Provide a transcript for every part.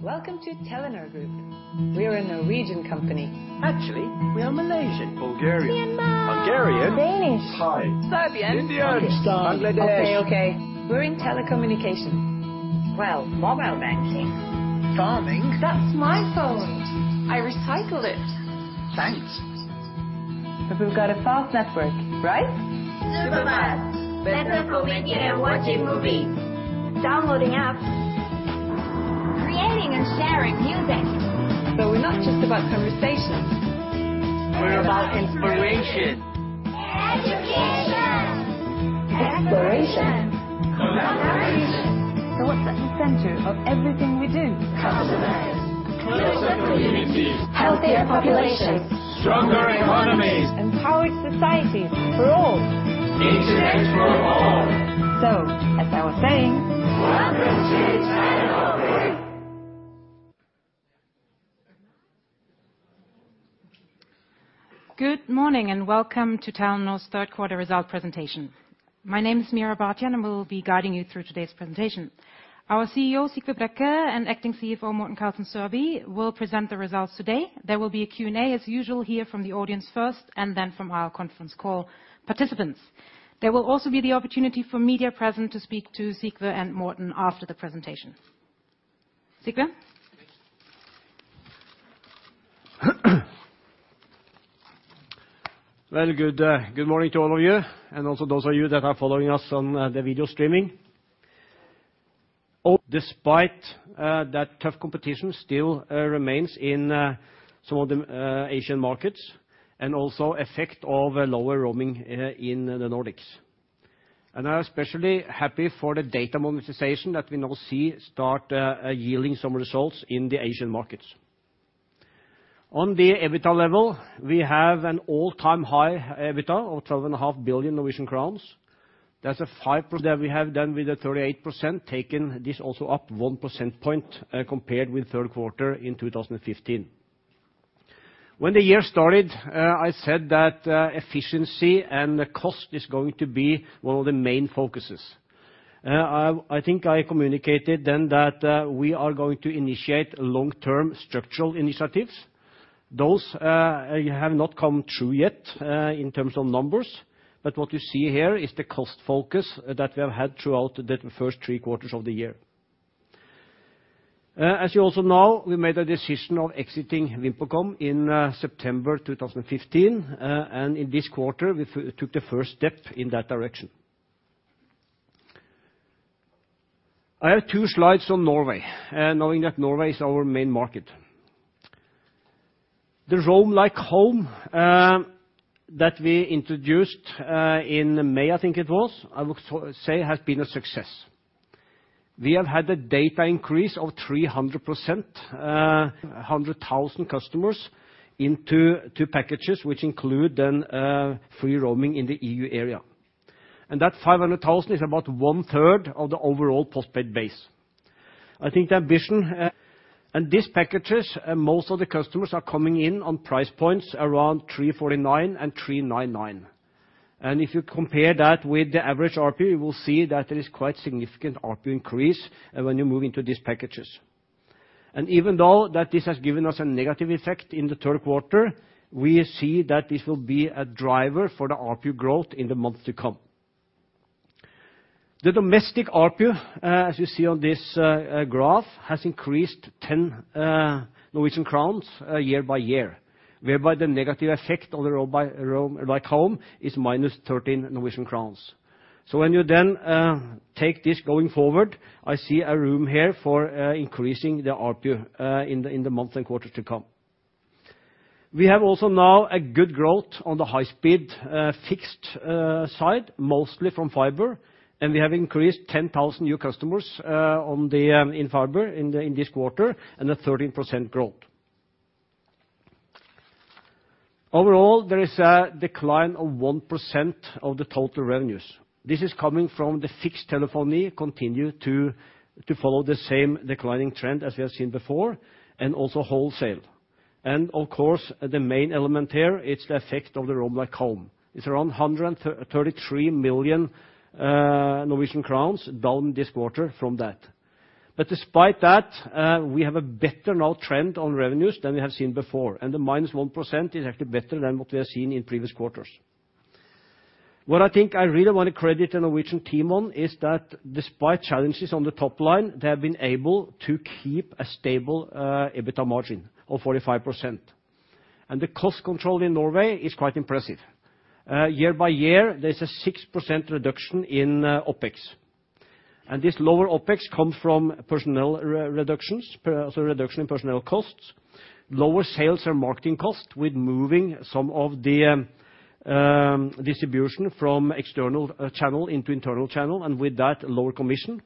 Hi, welcome to Telenor Group. We're a Norwegian company. Actually, we are Malaysian. Bulgarian. Myanmar! Hungarian. Danish. Thai. Serbian. India. Pakistan. Bangladesh. Okay, okay. We're in telecommunications. Well, mobile banking. Farming. That's my phone! I recycled it. Thanks. But we've got a fast network, right? Super fast. Better for when you are watching movies. Downloading apps. Creating and sharing music. So we're not just about conversations. We're about inspiration. We're about inspiration. Education! Education. Exploration. Collaboration. So what's at the center of everything we do? Customers. Closer communities. Healthier populations. Stronger economies. Empowered societies for all. Internet for all. So, as I was saying... Welcome to Telenor Group! Good morning, and welcome to Telenor's third quarter result presentation. My name is Meera Bhatia, and will be guiding you through today's presentation. Our CEO, Sigve Brekke, and Acting CFO, Morten Karlsen Sørby, will present the results today. There will be a Q&A as usual, here from the audience first, and then from our conference call participants. There will also be the opportunity for media present to speak to Sigve and Morten after the presentation. Sigve? Well, good morning to all of you, and also those of you that are following us on the video streaming. Oh, despite that tough competition still remains in some of the Asian markets, and also effect of lower roaming in the Nordics. And I'm especially happy for the data monetization that we now see start yielding some results in the Asian markets. On the EBITDA level, we have an all-time high EBITDA of 12.5 billion Norwegian crowns. That's a 5%... that we have done with the 38%, taking this also up one percentage point, compared with third quarter in 2015. When the year started, I said that efficiency and the cost is going to be one of the main focuses. I think I communicated then that we are going to initiate long-term structural initiatives. Those have not come true yet in terms of numbers, but what you see here is the cost focus that we have had throughout the first three quarters of the year. As you also know, we made a decision of exiting VimpelCom in September 2015, and in this quarter, we took the first step in that direction. I have two slides on Norway, knowing that Norway is our main market. The Roam Like Home that we introduced in May, I think it was, I would say, has been a success. We have had a data increase of 300%, 100,000 customers into two packages, which include then free roaming in the EU area. That 500,000 is about one-third of the overall postpaid base. I think the ambition, and these packages, most of the customers are coming in on price points around 349 and 399. And if you compare that with the average ARPU, you will see that there is quite significant ARPU increase when you move into these packages. And even though that this has given us a negative effect in the third quarter, we see that this will be a driver for the ARPU growth in the months to come. The domestic ARPU, as you see on this graph, has increased 10 Norwegian crowns year by year. Whereby the negative effect of the Roam Like Home is -13 Norwegian crowns. So when you then take this going forward, I see a room here for increasing the ARPU in the months and quarters to come. We have also now a good growth on the high-speed fixed side, mostly from fiber, and we have increased 10,000 new customers on the in fiber in this quarter, and a 13% growth. Overall, there is a decline of 1% of the total revenues. This is coming from the fixed telephony, continue to follow the same declining trend as we have seen before, and also wholesale. And of course, the main element here, it's the effect of the Roam Like Home. It's around 133 million Norwegian crowns down this quarter from that. But despite that, we have a better now trend on revenues than we have seen before, and the -1% is actually better than what we have seen in previous quarters. What I think I really want to credit the Norwegian team on is that despite challenges on the top line, they have been able to keep a stable EBITDA margin of 45%, and the cost control in Norway is quite impressive. Year by year, there's a 6% reduction in OpEx, and this lower OpEx come from personnel reductions, so reduction in personnel costs, lower sales and marketing costs, with moving some of the distribution from external channel into internal channel, and with that, lower commission,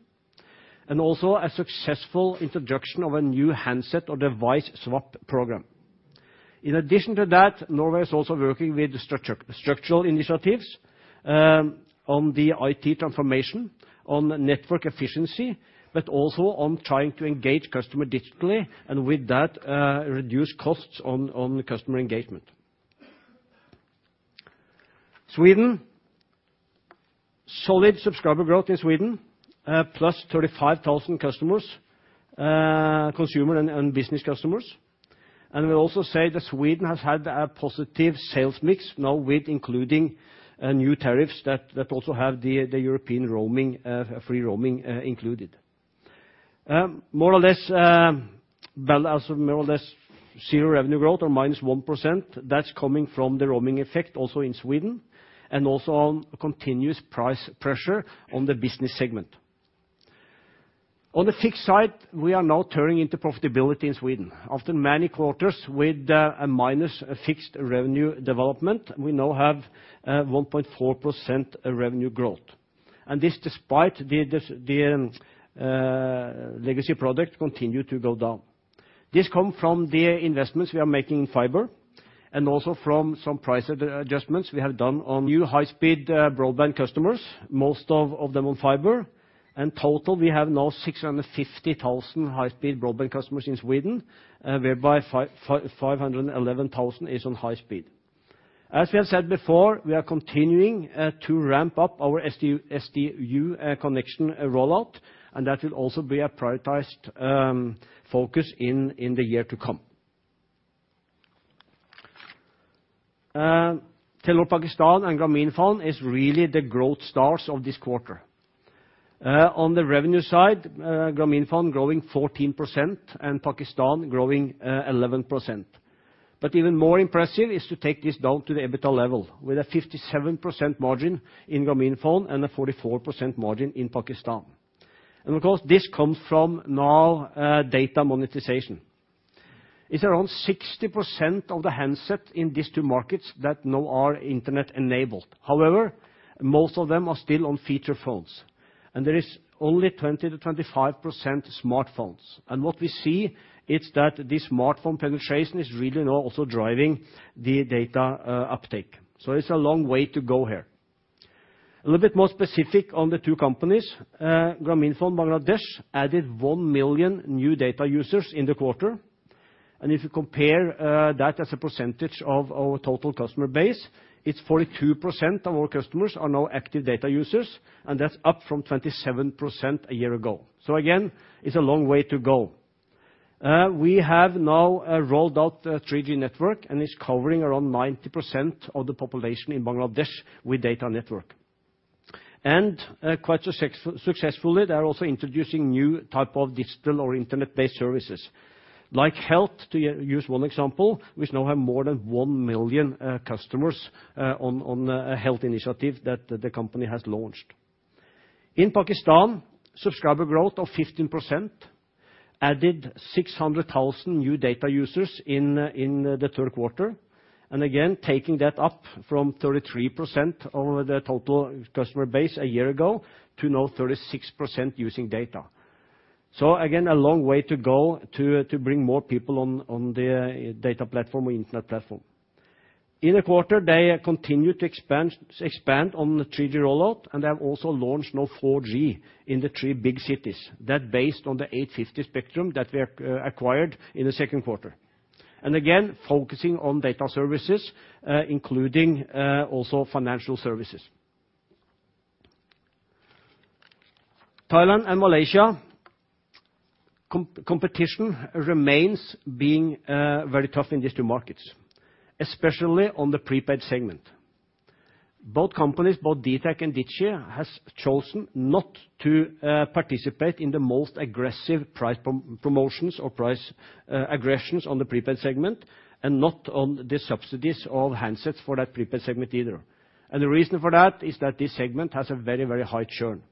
and also a successful introduction of a new handset or device swap program. In addition to that, Norway is also working with structure, structural initiatives, on the IT transformation, on network efficiency, but also on trying to engage customer digitally, and with that, reduce costs on, on the customer engagement. Sweden, solid subscriber growth in Sweden, plus 35,000 customers, consumer and business customers. And we also say that Sweden has had a positive sales mix now with including new tariffs that also have the European roaming, free roaming, included. More or less, well, as more or less zero revenue growth or minus 1%, that's coming from the roaming effect also in Sweden, and also on continuous price pressure on the business segment. On the fixed side, we are now turning into profitability in Sweden. After many quarters with a minus fixed revenue development, we now have 1.4% revenue growth, and this despite the legacy product continue to go down. This come from the investments we are making in fiber, and also from some price adjustments we have done on new high-speed broadband customers, most of them on fiber. In total, we have now 650,000 high-speed broadband customers in Sweden, whereby 511,000 is on high speed. As we have said before, we are continuing to ramp up our SDU connection rollout, and that will also be a prioritized focus in the year to come. Telenor Pakistan and Grameenphone is really the growth stars of this quarter. On the revenue side, Grameenphone growing 14%, and Pakistan growing 11%. But even more impressive is to take this down to the EBITDA level, with a 57% margin in Grameenphone and a 44% margin in Pakistan. And of course, this comes from now, data monetization. It's around 60% of the handset in these two markets that now are internet-enabled. However, most of them are still on feature phones, and there is only 20%-25% smartphones. And what we see, it's that the smartphone penetration is really now also driving the data, uptake, so it's a long way to go here. A little bit more specific on the two companies. Grameenphone Bangladesh added 1 million new data users in the quarter, and if you compare that as a percentage of our total customer base, it's 42% of our customers are now active data users, and that's up from 27% a year ago. So again, it's a long way to go. We have now rolled out a 3G network, and it's covering around 90% of the population in Bangladesh with data network. Quite successfully, they are also introducing new type of digital or internet-based services, like health, to use one example, which now have more than 1 million customers on a health initiative that the company has launched. In Pakistan, subscriber growth of 15% added 600,000 new data users in the third quarter. Again, taking that up from 33% over the total customer base a year ago to now 36% using data. So again, a long way to go to bring more people on the data platform or internet platform. In the quarter, they continued to expand on the 3G rollout, and they have also launched now 4G in the three big cities. That based on the 850 spectrum that we acquired in the second quarter. And again, focusing on data services, including also financial services. Thailand and Malaysia, competition remains being very tough in these two markets, especially on the prepaid segment. Both companies, both dtac and Digi, has chosen not to participate in the most aggressive price promotions or price aggressions on the prepaid segment, and not on the subsidies of handsets for that prepaid segment either. The reason for that is that this segment has a very, very high churn.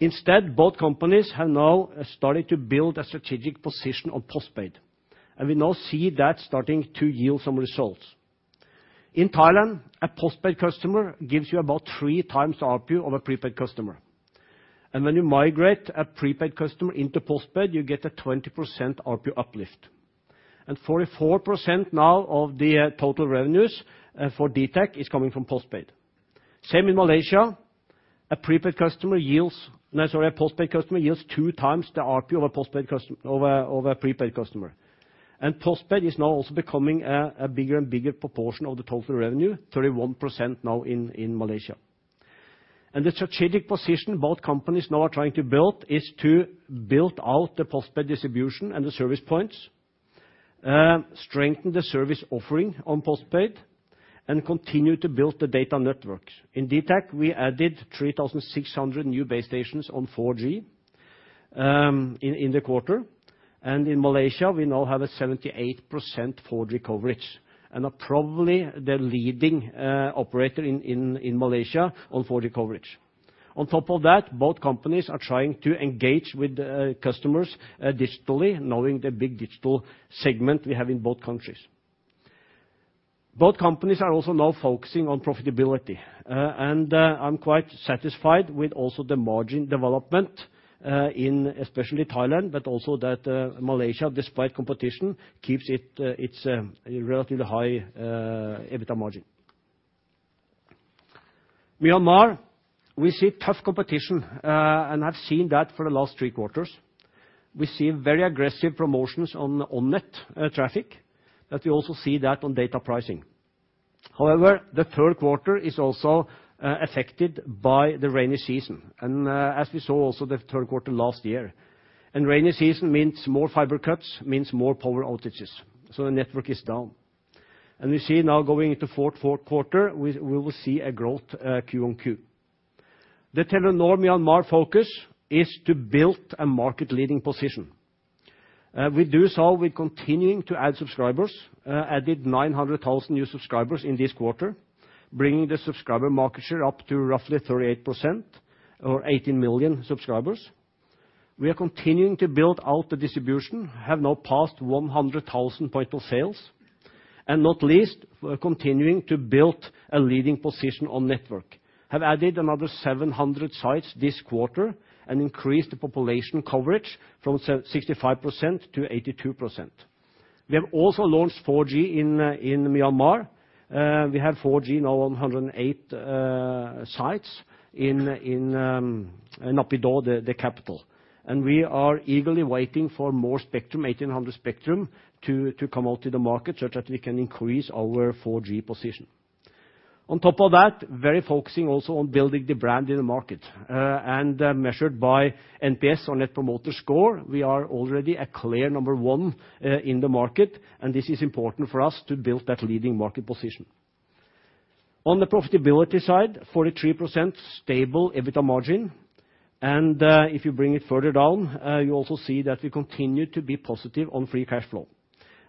Instead, both companies have now started to build a strategic position on postpaid, and we now see that starting to yield some results. In Thailand, a postpaid customer gives you about 3x the ARPU of a prepaid customer, and when you migrate a prepaid customer into postpaid, you get a 20% ARPU uplift. And 44% now of the total revenues for dtac is coming from postpaid. Same in Malaysia, a prepaid customer yields—no, sorry, a postpaid customer yields 2x the ARPU of a postpaid customer—of a prepaid customer. And postpaid is now also becoming a bigger and bigger proportion of the total revenue, 31% now in Malaysia. The strategic position both companies now are trying to build is to build out the postpaid distribution and the service points, strengthen the service offering on postpaid, and continue to build the data network. In dtac, we added 3,600 new base stations on 4G in the quarter, and in Malaysia, we now have a 78% 4G coverage, and are probably the leading operator in Malaysia on 4G coverage. On top of that, both companies are trying to engage with customers digitally, knowing the big digital segment we have in both countries. Both companies are also now focusing on profitability, and I'm quite satisfied with also the margin development in especially Thailand, but also that Malaysia, despite competition, keeps its relatively high EBITDA margin. Myanmar, we see tough competition and have seen that for the last three quarters. We see very aggressive promotions on net traffic, but we also see that on data pricing. However, the third quarter is also affected by the rainy season, and as we saw also the third quarter last year. And rainy season means more fiber cuts, means more power outages, so the network is down. And we see now going into fourth quarter, we will see a growth Q-on-Q. The Telenor Myanmar focus is to build a market-leading position. We do so with continuing to add subscribers, added 900,000 new subscribers in this quarter, bringing the subscriber market share up to roughly 38% or 18 million subscribers. We are continuing to build out the distribution, have now passed 100,000 points of sale, and not least, we are continuing to build a leading position on network. Have added another 700 sites this quarter and increased the population coverage from 65% to 82%. We have also launched 4G in Myanmar. We have 4G now on 108 sites in Naypyidaw, the capital. And we are eagerly waiting for more spectrum, 1800 spectrum, to come out to the market such that we can increase our 4G position. On top of that, very focusing also on building the brand in the market, and measured by NPS or Net Promoter Score, we are already a clear number one in the market, and this is important for us to build that leading market position. On the profitability side, 43% stable EBITDA margin, and if you bring it further down, you also see that we continue to be positive on free cash flow.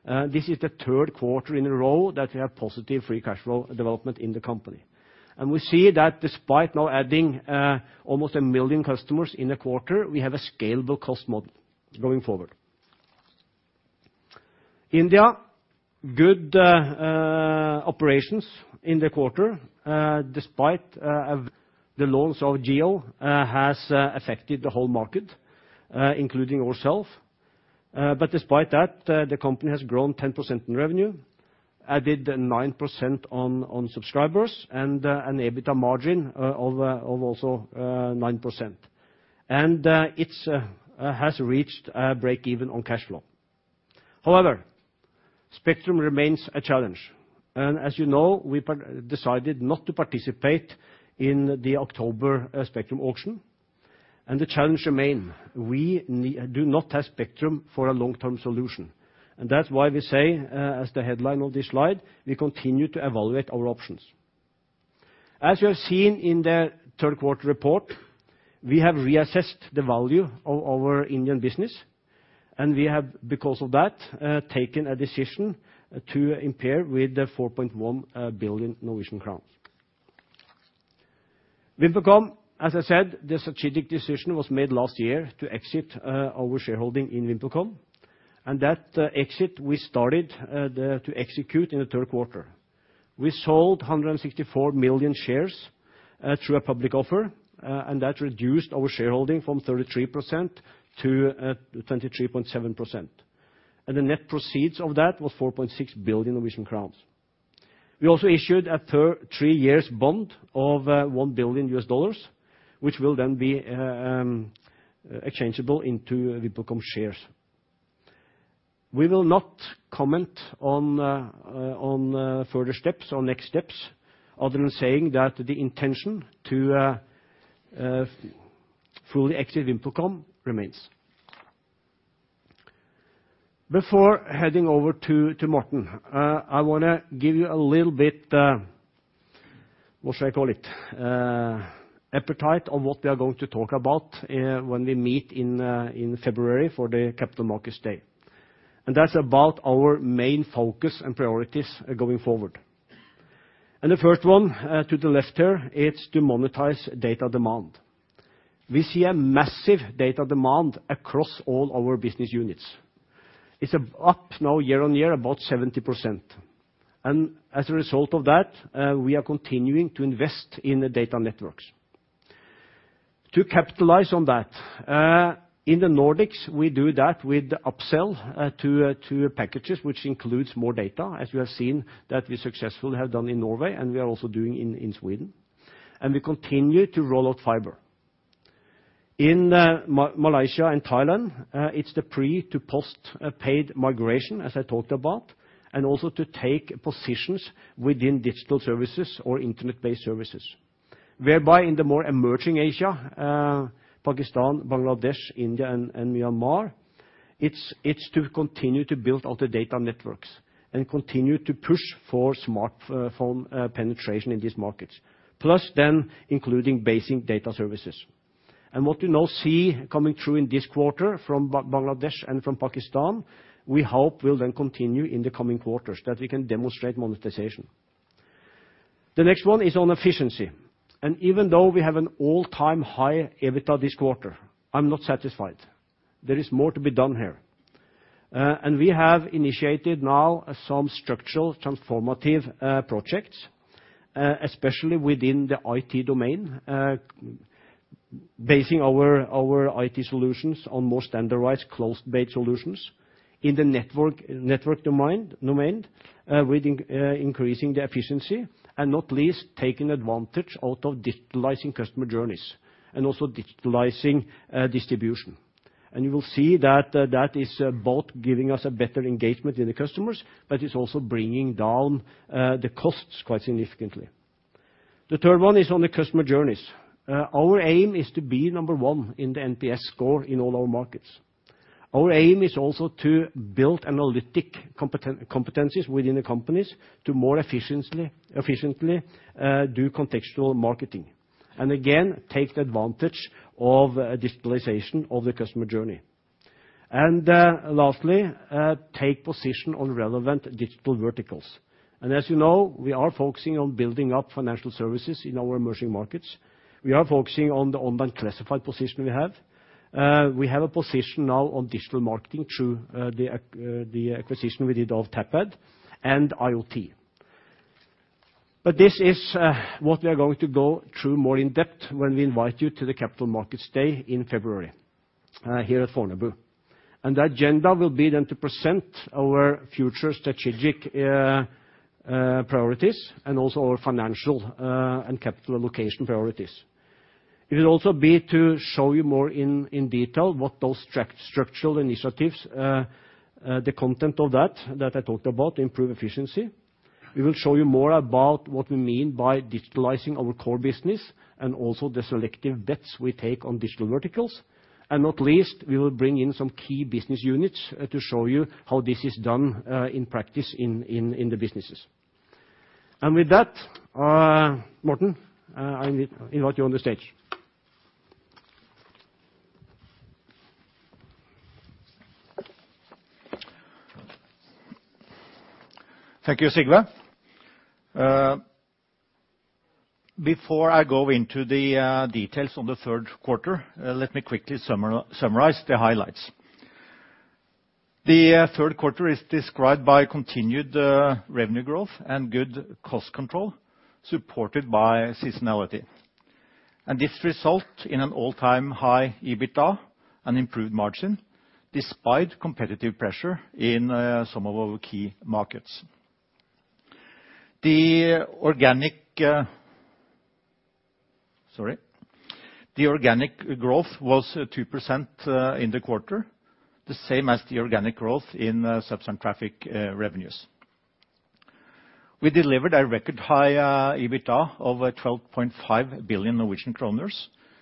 This is the third quarter in a row that we have positive free cash flow development in the company. And we see that despite now adding almost a million customers in a quarter, we have a scalable cost model going forward. India, good operations in the quarter, despite the launch of Jio has affected the whole market, including ourselves. But despite that, the company has grown 10% in revenue, added 9% on subscribers and an EBITDA margin of also 9%. And it has reached breakeven on cash flow. However, spectrum remains a challenge, and as you know, we decided not to participate in the October spectrum auction, and the challenge remain. We do not have spectrum for a long-term solution, and that's why we say, as the headline of this slide, we continue to evaluate our options. As you have seen in the third quarter report, we have reassessed the value of our Indian business, and we have, because of that, taken a decision to impair with the 4.1 billion Norwegian crowns. VimpelCom, as I said, the strategic decision was made last year to exit our shareholding in VimpelCom, and that exit we started to execute in the third quarter. We sold 164 million shares through a public offer, and that reduced our shareholding from 33% to 23.7%, and the net proceeds of that was 4.6 billion Norwegian crowns. We also issued a three-year bond of $1 billion, which will then be exchangeable into VimpelCom shares. We will not comment on further steps or next steps, other than saying that the intention to fully exit VimpelCom remains. Before heading over to Morten, I wanna give you a little bit, what should I call it? Appetite on what we are going to talk about when we meet in February for the Capital Markets Day. And that's about our main focus and priorities going forward. The first one, to the left here, it's to monetize data demand. We see a massive data demand across all our business units. It's up now year-on-year, about 70%, and as a result of that, we are continuing to invest in the data networks. To capitalize on that, in the Nordics, we do that with the upsell to packages, which includes more data, as you have seen that we successfully have done in Norway, and we are also doing in Sweden. We continue to roll out fiber. In Malaysia and Thailand, it's the pre to post-paid migration, as I talked about, and also to take positions within digital services or internet-based services. Whereby in the more emerging Asia, Pakistan, Bangladesh, India, and, and Myanmar, it's to continue to build out the data networks and continue to push for smartphone penetration in these markets, plus then including basic data services. And what we now see coming through in this quarter from Bangladesh and from Pakistan, we hope will then continue in the coming quarters, that we can demonstrate monetization. The next one is on efficiency, and even though we have an all-time high EBITDA this quarter, I'm not satisfied. There is more to be done here. And we have initiated now some structural transformative projects, especially within the IT domain, basing our IT solutions on more standardized, cloud-based solutions. In the network domain within increasing the efficiency, and not least, taking advantage out of digitalizing customer journeys, and also digitalizing distribution. And you will see that is both giving us a better engagement with the customers, but it's also bringing down the costs quite significantly. The third one is on the customer journeys. Our aim is to be number one in the NPS score in all our markets. Our aim is also to build analytic competencies within the companies to more efficiently do contextual marketing, and again, take advantage of digitalization of the customer journey. And lastly, take position on relevant digital verticals. And as you know, we are focusing on building up financial services in our emerging markets. We are focusing on the online classified position we have. We have a position now on digital marketing through the acquisition we did of Tapad and IoT. But this is what we are going to go through more in depth when we invite you to the Capital Markets Day in February here at Fornebu. And the agenda will be then to present our future strategic priorities and also our financial and capital allocation priorities. It will also be to show you more in detail what those structural initiatives, the content of that I talked about to improve efficiency. We will show you more about what we mean by digitalizing our core business, and also the selective bets we take on digital verticals. Not least, we will bring in some key business units to show you how this is done in practice in the businesses. With that, Morten, I invite you on the stage. Thank you, Sigve. Before I go into the details on the third quarter, let me quickly summarize the highlights. The third quarter is described by continued revenue growth and good cost control, supported by seasonality, and this result in an all-time high EBITDA and improved margin, despite competitive pressure in some of our key markets. The organic growth was 2% in the quarter, the same as the organic growth in subs and traffic revenues. We delivered a record high EBITDA of 12.5 billion Norwegian kroner,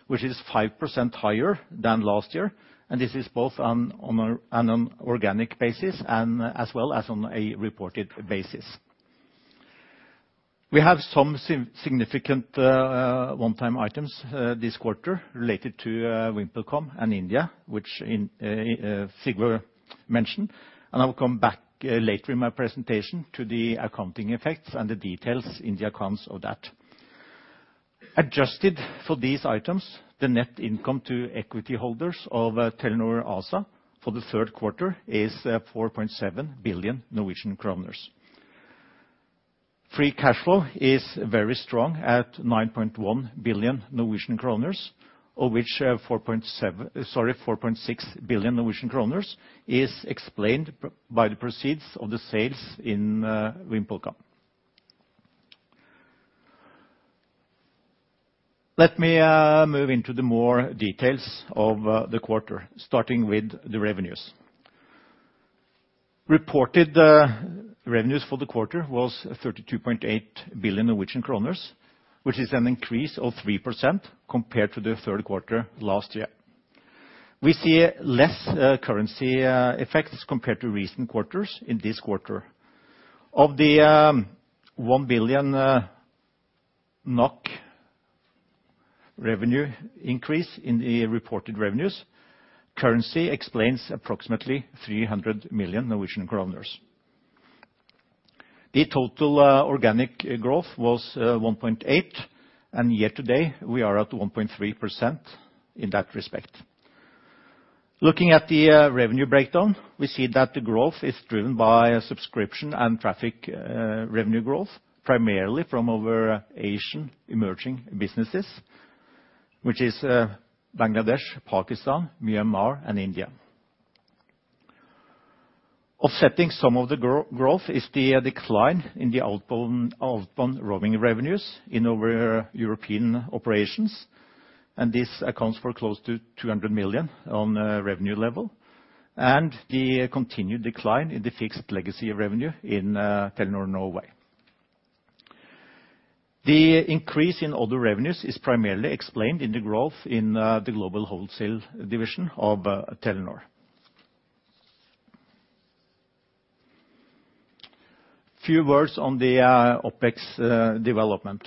which is 5% higher than last year, and this is both on an organic basis and as well as on a reported basis. We have some significant one-time items this quarter related to VimpelCom and India, which Sigve mentioned, and I will come back later in my presentation to the accounting effects and the details in the accounts of that. Adjusted for these items, the net income to equity holders of Telenor ASA for the third quarter is 4.7 billion Norwegian kroner. Free cash flow is very strong at 9.1 billion Norwegian kroner, of which 4.7, sorry, 4.6 billion Norwegian kroner is explained by the proceeds of the sales in VimpelCom. Let me move into the more details of the quarter, starting with the revenues. Reported revenues for the quarter was 32.8 billion Norwegian kroner, which is an increase of 3% compared to the third quarter last year. We see less currency effects compared to recent quarters in this quarter. Of the 1 billion NOK revenue increase in the reported revenues, currency explains approximately 300 million Norwegian kroner. The total organic growth was 1.8%, and year to date, we are at 1.3% in that respect. Looking at the revenue breakdown, we see that the growth is driven by a subscription and traffic revenue growth, primarily from our Asian emerging businesses, which is Bangladesh, Pakistan, Myanmar, and India. Offsetting some of the growth is the decline in the outbound roaming revenues in our European operations, and this accounts for close to 200 million on revenue level, and the continued decline in the fixed legacy revenue in Telenor Norway. The increase in other revenues is primarily explained in the growth in the global wholesale division of Telenor. Few words on the OpEx development.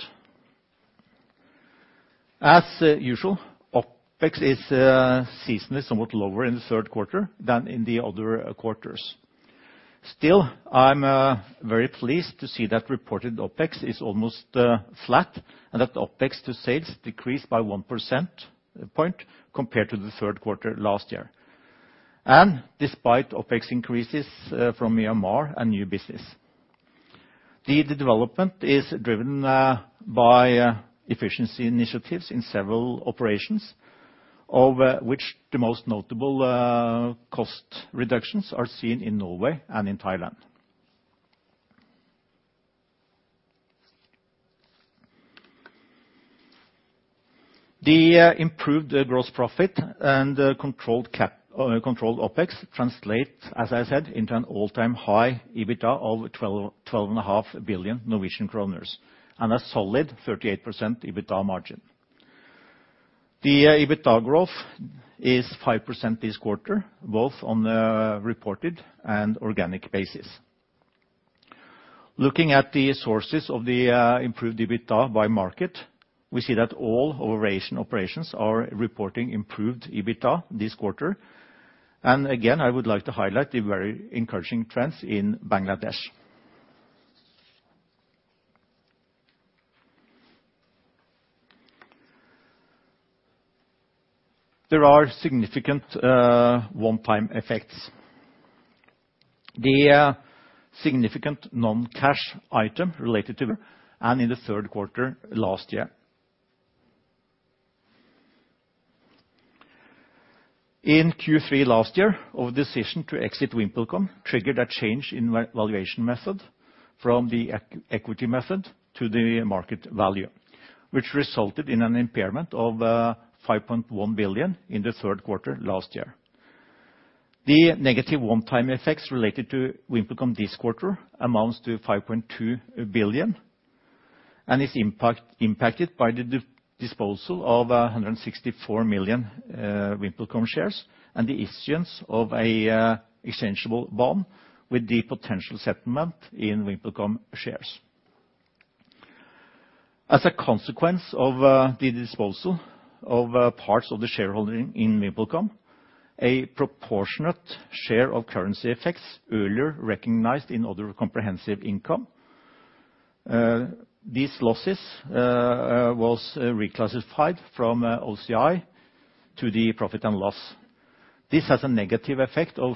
As usual, OpEx is seasonally somewhat lower in the third quarter than in the other quarters. Still, I'm very pleased to see that reported OpEx is almost flat, and that OpEx to sales decreased by 1% point compared to the third quarter last year, and despite OpEx increases from Myanmar and new business. The development is driven by efficiency initiatives in several operations, of which the most notable cost reductions are seen in Norway and in Thailand. The improved gross profit and controlled CapEx, or controlled OpEx translate, as I said, into an all-time high EBITDA of 12.5 billion Norwegian kroner, and a solid 38% EBITDA margin. The EBITDA growth is 5% this quarter, both on the reported and organic basis. Looking at the sources of the improved EBITDA by market, we see that all our Asian operations are reporting improved EBITDA this quarter, and again, I would like to highlight the very encouraging trends in Bangladesh. There are significant one-time effects. The significant non-cash item related to, and in the third quarter last year. In Q3 last year, our decision to exit VimpelCom triggered a change in valuation method from the equity method to the market value, which resulted in an impairment of 5.1 billion in the third quarter last year. The negative one-time effects related to VimpelCom this quarter amounts to 5.2 billion, and is impacted by the disposal of 164 million VimpelCom shares, and the issuance of a exchangeable bond with the potential settlement in VimpelCom shares. As a consequence of the disposal of parts of the shareholding in VimpelCom, a proportionate share of currency effects earlier recognized in other comprehensive income, these losses was reclassified from OCI to the profit and loss. This has a negative effect of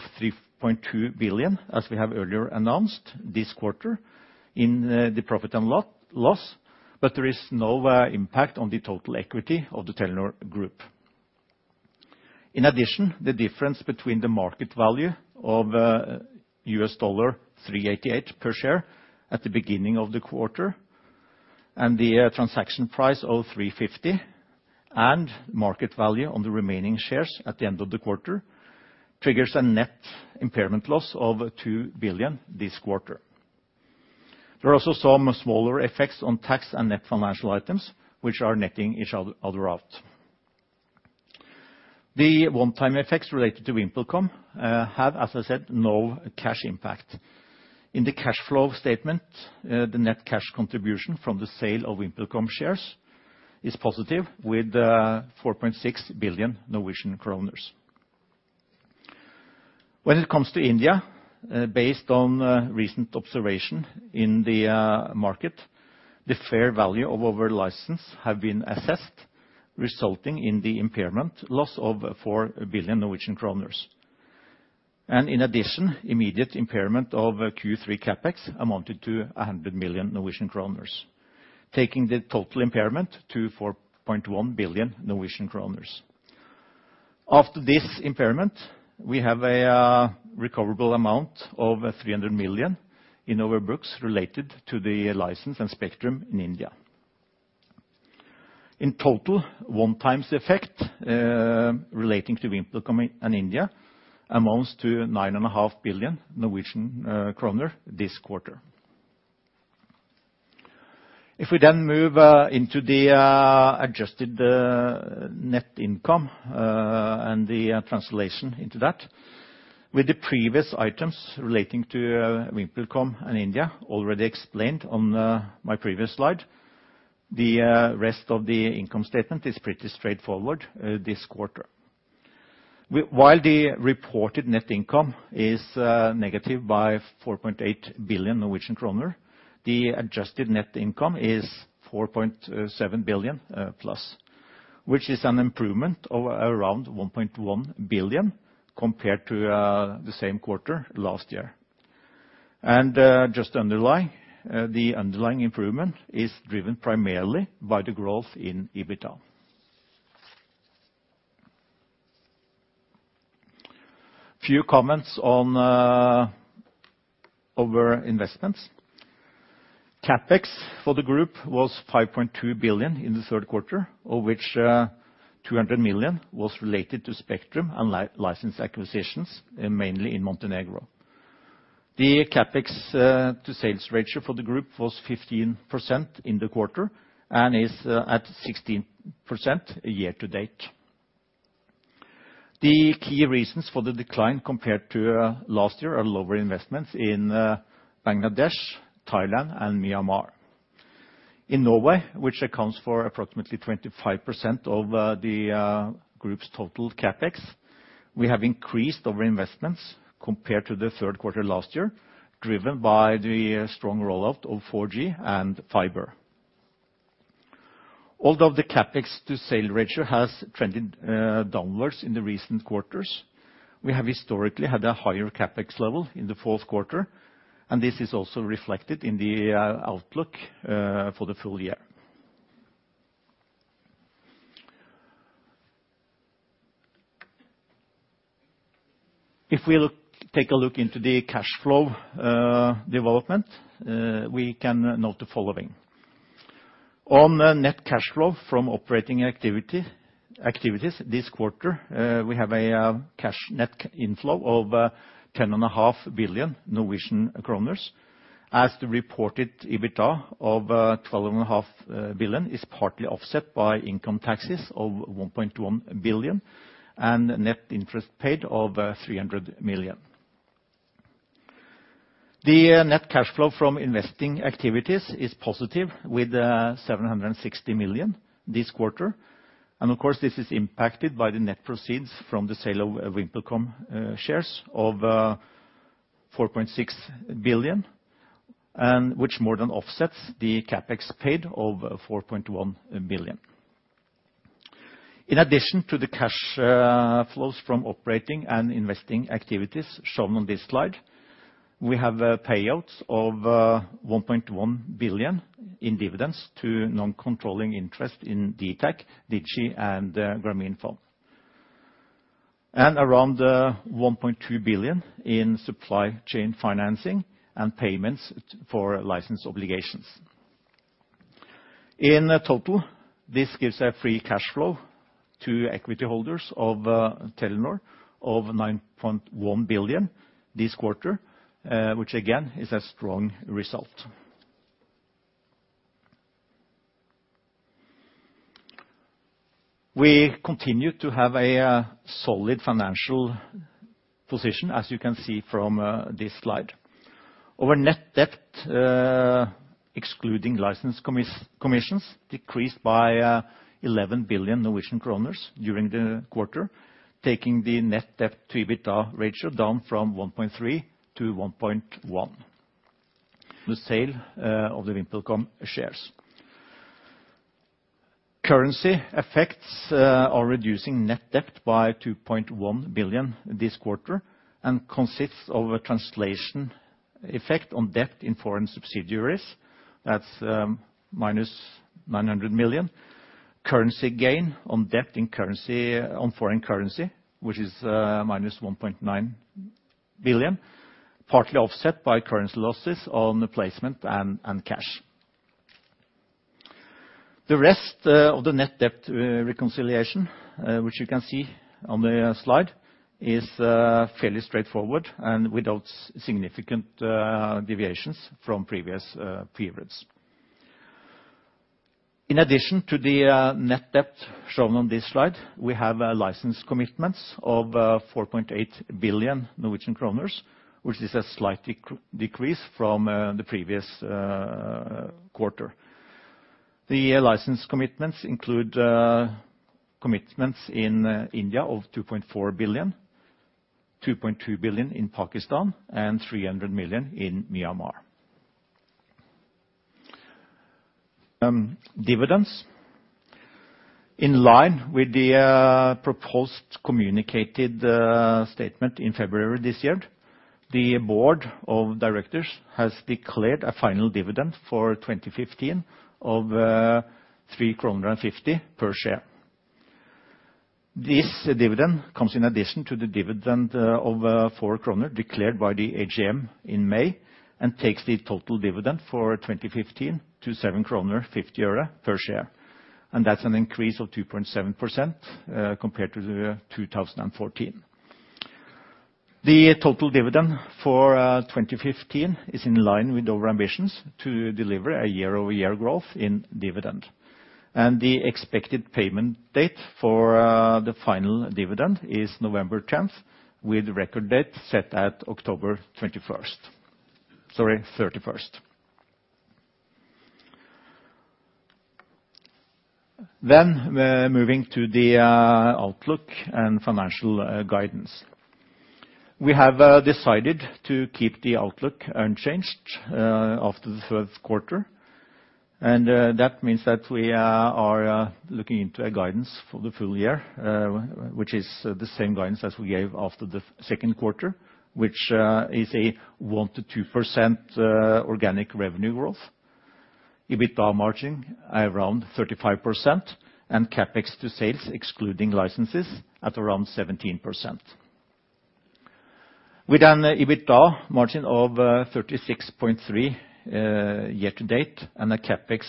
3.2 billion, as we have earlier announced this quarter in the profit and loss, but there is no impact on the total equity of the Telenor Group. In addition, the difference between the market value of $388 per share at the beginning of the quarter, and the transaction price of $350, and market value on the remaining shares at the end of the quarter, triggers a net impairment loss of $2 billion this quarter. There are also some smaller effects on tax and net financial items, which are netting each other out. The one-time effects related to VimpelCom have, as I said, no cash impact. In the cash flow statement, the net cash contribution from the sale of VimpelCom shares is positive, with 4.6 billion Norwegian kroner. When it comes to India, based on recent observation in the market, the fair value of our license have been assessed, resulting in the impairment loss of 4 billion Norwegian kroner. And in addition, immediate impairment of Q3 CapEx amounted to 100 million Norwegian kroner, taking the total impairment to 4.1 billion Norwegian kroner. After this impairment, we have a recoverable amount of 300 million in our books related to the license and spectrum in India. In total, one-times effect relating to VimpelCom and India amounts to 9.5 billion Norwegian kroner this quarter. If we then move into the adjusted net income and the translation into that, with the previous items relating to VimpelCom and India already explained on my previous slide, the rest of the income statement is pretty straightforward this quarter. While the reported net income is negative 4.8 billion Norwegian kroner, the adjusted net income is +4.7 billion, which is an improvement of around 1.1 billion compared to the same quarter last year. Just to underline the underlying improvement is driven primarily by the growth in EBITDA. Few comments on our investments. CapEx for the group was 5.2 billion in the third quarter, of which 200 million was related to spectrum and license acquisitions, mainly in Montenegro. The CapEx-to-sales ratio for the group was 15% in the quarter, and is at 16% year-to-date. The key reasons for the decline compared to last year are lower investments in Bangladesh, Thailand, and Myanmar. In Norway, which accounts for approximately 25% of the group's total CapEx, we have increased our investments compared to the third quarter last year, driven by the strong rollout of 4G and fiber. Although the CapEx to sales ratio has trended downwards in the recent quarters, we have historically had a higher CapEx level in the fourth quarter, and this is also reflected in the outlook for the full year. If we take a look into the cash flow development, we can note the following. On the net cash flow from operating activities this quarter, we have a cash net inflow of 10.5 billion Norwegian kroner. As the reported EBITDA of 12.5 billion is partly offset by income taxes of 1.1 billion, and net interest paid of 300 million. The net cash flow from investing activities is positive, with 760 million this quarter. And of course, this is impacted by the net proceeds from the sale of VimpelCom shares of 4.6 billion, and which more than offsets the CapEx paid of 4.1 billion. In addition to the cash flows from operating and investing activities shown on this slide, we have payouts of 1.1 billion in dividends to non-controlling interest in dtac, Digi, and Grameenphone. And around 1.2 billion in supply chain financing and payments for license obligations. In total, this gives a free cash flow to equity holders of Telenor of 9.1 billion this quarter, which again, is a strong result. We continue to have a solid financial position, as you can see from this slide. Our net debt, excluding license commissions, decreased by 11 billion Norwegian kroner during the quarter, taking the net debt to EBITDA ratio down from 1.3 to 1.1. The sale of the VimpelCom shares. Currency effects are reducing net debt by 2.1 billion this quarter, and consists of a translation effect on debt in foreign subsidiaries. That's minus 900 million NOK. Currency gain on debt in foreign currency, which is minus 1.9 billion, partly offset by currency losses on the placement and cash. The rest of the net debt reconciliation, which you can see on the slide, is fairly straightforward, and without significant deviations from previous periods. In addition to the net debt shown on this slide, we have license commitments of 4.8 billion Norwegian kroner, which is a slight decrease from the previous quarter. The license commitments include commitments in India of 2.4 billion, 2.2 billion in Pakistan, and 300 million in Myanmar. Dividends. In line with the proposed communicated statement in February this year, the board of directors has declared a final dividend for 2015 of 3.50 kroner per share. This dividend comes in addition to the dividend of 4 kroner declared by the AGM in May, and takes the total dividend for 2015 to NOK 7.50 per share, and that's an increase of 2.7%, compared to 2014. The total dividend for 2015 is in line with our ambitions to deliver a year-over-year growth in dividend. The expected payment date for the final dividend is November tenth, with record date set at October thirty-first. Moving to the outlook and financial guidance. We have decided to keep the outlook unchanged after the third quarter. That means that we are looking into a guidance for the full year, which is the same guidance as we gave after the second quarter, which is a 1%-2% organic revenue growth. EBITDA margin are around 35%, and CapEx to sales, excluding licenses, at around 17%. With an EBITDA margin of 36.3 year to date, and a CapEx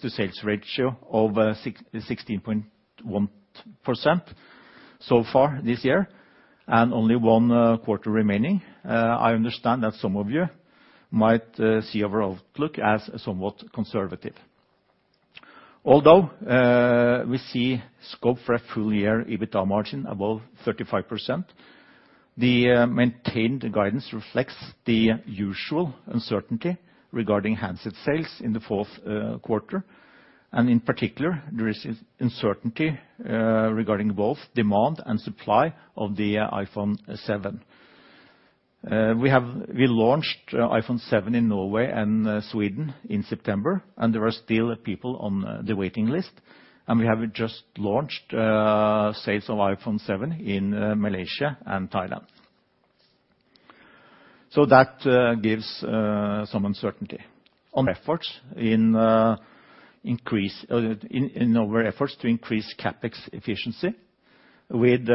to sales ratio of 16.1% so far this year, and only 1 quarter remaining, I understand that some of you might see our outlook as somewhat conservative. Although we see scope for a full year EBITDA margin above 35%, the maintained guidance reflects the usual uncertainty regarding handset sales in the fourth quarter, and in particular, there is uncertainty regarding both demand and supply of the iPhone 7. We launched iPhone 7 in Norway and Sweden in September, and there are still people on the waiting list, and we have just launched sales of iPhone 7 in Malaysia and Thailand. So that gives some uncertainty on our efforts to increase CapEx efficiency with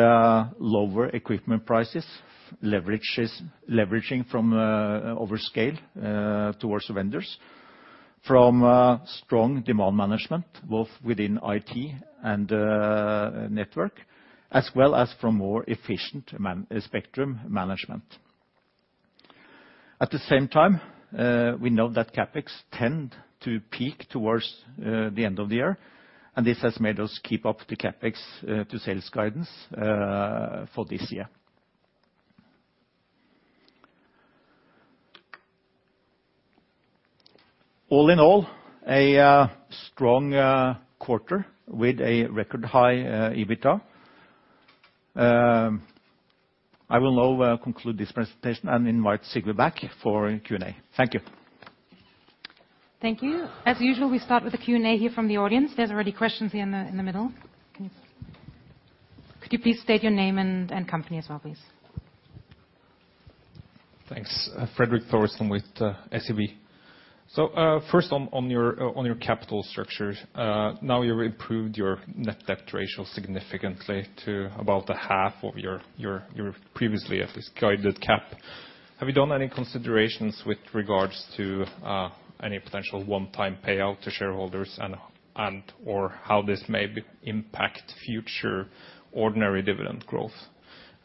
lower equipment prices, leveraging from over scale towards vendors. From strong demand management, both within IT and network, as well as from more efficient spectrum management. At the same time, we know that CapEx tend to peak towards the end of the year, and this has made us keep up the CapEx to sales guidance for this year. All in all, a strong quarter with a record-high EBITDA. I will now conclude this presentation and invite Sigve back for Q&A. Thank you. Thank you. As usual, we start with the Q&A here from the audience. There's already questions here in the middle. Could you please state your name and company as well, please? Thanks. Fredrik Thoresen with SEB. So, first on your capital structure, now you've improved your net debt ratio significantly to about a half of your previously at least guided cap. Have you done any considerations with regards to any potential one-time payout to shareholders and and/or how this may be impact future ordinary dividend growth?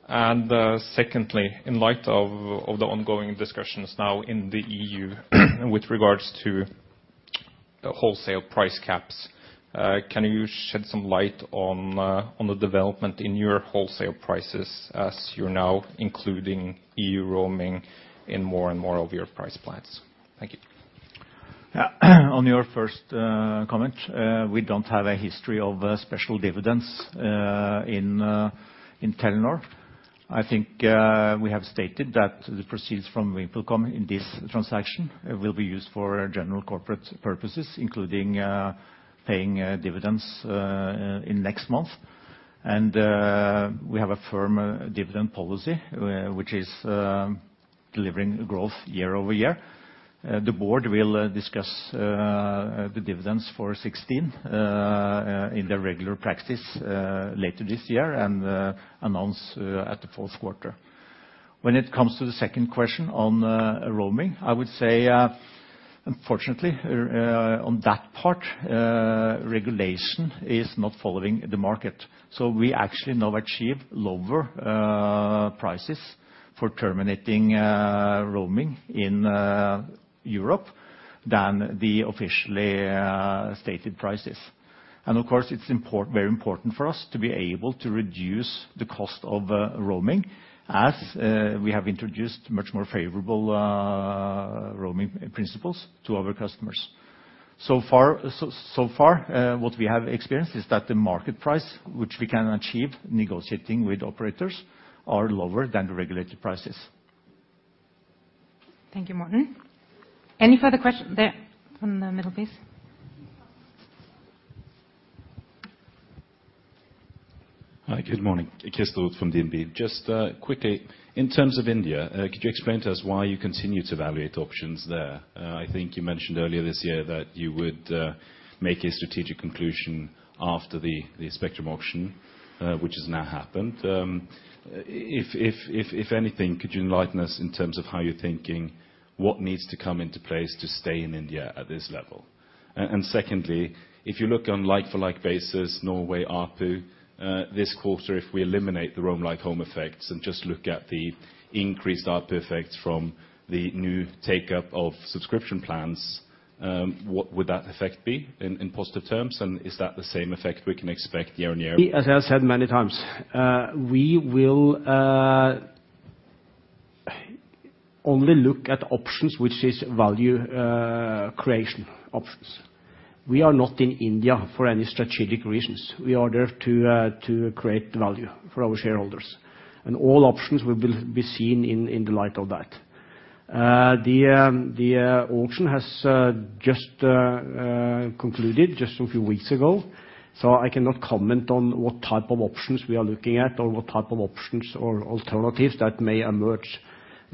And, secondly, in light of the ongoing discussions now in the EU, with regards to the wholesale price caps, can you shed some light on the development in your wholesale prices as you're now including EU roaming in more and more of your price plans? Thank you. Yeah. On your first comment, we don't have a history of special dividends in Telenor. I think we have stated that the proceeds from VimpelCom in this transaction will be used for general corporate purposes, including paying dividends in next month. We have a firm dividend policy, which is delivering growth year over year. The board will discuss the dividends for 2016 in their regular practice later this year, and announce at the fourth quarter. When it comes to the second question on roaming, I would say, unfortunately, on that part, regulation is not following the market. So we actually now achieve lower prices for terminating roaming in Europe than the officially stated prices. Of course, it's very important for us to be able to reduce the cost of roaming, as we have introduced much more favorable roaming principles to our customers. So far, what we have experienced is that the market price, which we can achieve negotiating with operators, are lower than the regulated prices. Thank you, Morten. Any further question? There, from the middle, please. Hi, good morning. Kristoff from DNB. Just quickly, in terms of India, could you explain to us why you continue to evaluate options there? I think you mentioned earlier this year that you would make a strategic conclusion after the spectrum auction, which has now happened. If anything, could you enlighten us in terms of how you're thinking, what needs to come into place to stay in India at this level? And secondly, if you look on like-for-like basis, Norway ARPU this quarter, if we eliminate the Roam Like Home effects and just look at the increased ARPU effects from the new take-up of subscription plans, what would that effect be in posted terms? And is that the same effect we can expect year on year? As I said many times, we will only look at options, which is value creation options. We are not in India for any strategic reasons. We are there to create value for our shareholders, and all options will be seen in the light of that. The auction has just concluded just a few weeks ago, so I cannot comment on what type of options we are looking at or what type of options or alternatives that may emerge.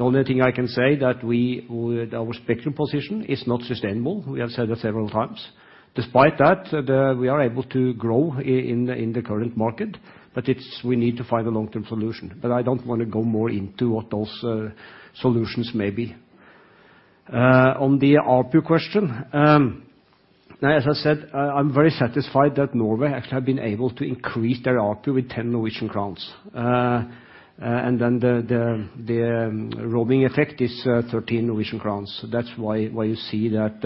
The only thing I can say that we would—our spectrum position is not sustainable. We have said that several times. Despite that, we are able to grow in the current market, but it's—we need to find a long-term solution. But I don't want to go more into what those solutions may be. On the ARPU question, as I said, I'm very satisfied that Norway actually have been able to increase their ARPU with 10 Norwegian crowns. And then the roaming effect is 13 Norwegian crowns. So that's why you see that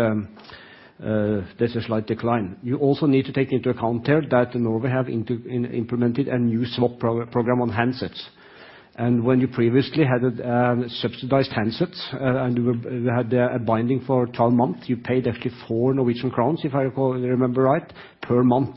there's a slight decline. You also need to take into account here that Norway have implemented a new swap program on handsets. And when you previously had subsidized handsets and you had a binding for 12 months, you paid actually 4 Norwegian crowns, if I recall remember right, per month....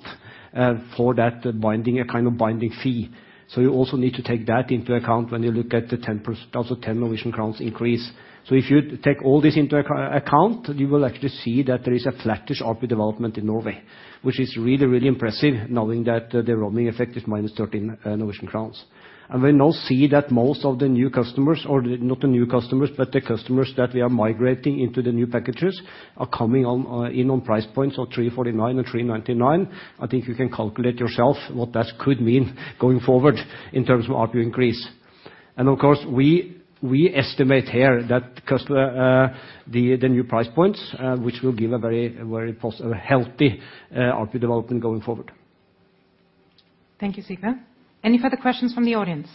for that binding, a kind of binding fee. So you also need to take that into account when you look at the 10%, also 10 crowns increase. So if you take all this into account, you will actually see that there is a flattish ARPU development in Norway, which is really, really impressive knowing that the roaming effect is -13 Norwegian crowns. And we now see that most of the new customers, or not the new customers, but the customers that we are migrating into the new packages, are coming on, in on price points of 349 and 399. I think you can calculate yourself what that could mean going forward in terms of ARPU increase. Of course, we estimate here that the new price points, which will give a very, very positive, a healthy ARPU development going forward. Thank you, Sigve. Any further questions from the audience?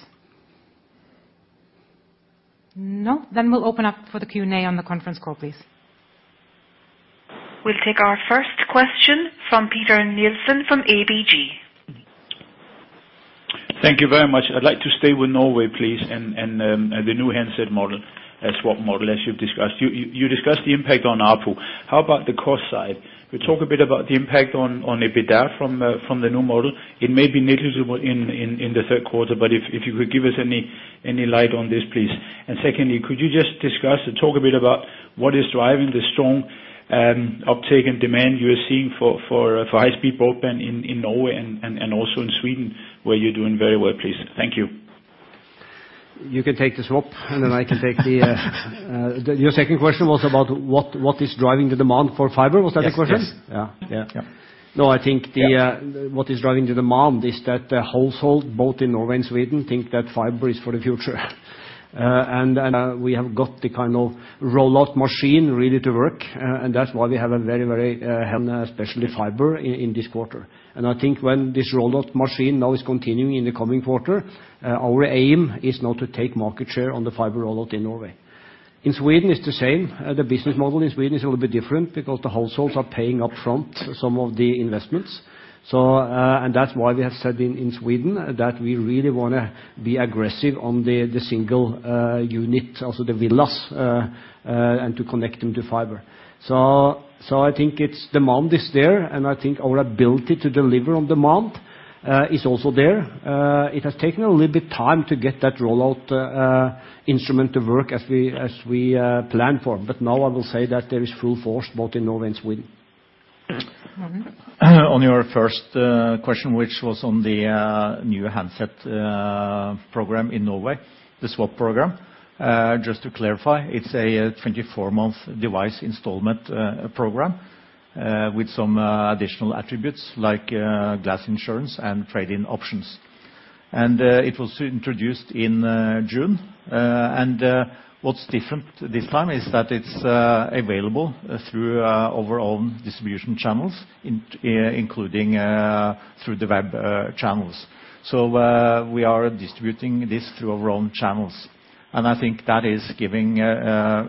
No, then we'll open up for the Q&A on the conference call, please. We'll take our first question from Peter Nielsen from ABG. Thank you very much. I'd like to stay with Norway, please, and the new handset model as you've discussed. You discussed the impact on ARPU. How about the cost side? We talk a bit about the impact on EBITDA from the new model. It may be negligible in the third quarter, but if you could give us any light on this, please. And secondly, could you just discuss and talk a bit about what is driving the strong uptake and demand you are seeing for high-speed broadband in Norway and also in Sweden, where you're doing very well, please? Thank you. You can take the swap, and then I can take your second question was about what, what is driving the demand for fiber? Was that the question? Yes, yes. Yeah, yeah. Yeah. No, I think the— Yes... what is driving the demand is that the household, both in Norway and Sweden, think that fiber is for the future. And we have got the kind of roll-out machine really to work, and that's why we have a very, very, especially fiber in this quarter. And I think when this roll-out machine now is continuing in the coming quarter, our aim is now to take market share on the fiber rollout in Norway. In Sweden, it's the same. The business model in Sweden is a little bit different because the households are paying upfront some of the investments. So, and that's why we have said in Sweden, that we really wanna be aggressive on the single unit, also the villas, and to connect them to fiber. So, I think it's demand is there, and I think our ability to deliver on demand is also there. It has taken a little bit time to get that rollout instrument to work as we planned for. But now I will say that there is full force, both in Norway and Sweden. Morten? On your first question, which was on the new handset program in Norway, the swap program. Just to clarify, it's a 24-month device installment program with some additional attributes like glass insurance and trade-in options. It was introduced in June. And what's different this time is that it's available through our own distribution channels, including through the web channels. So, we are distributing this through our own channels, and I think that is giving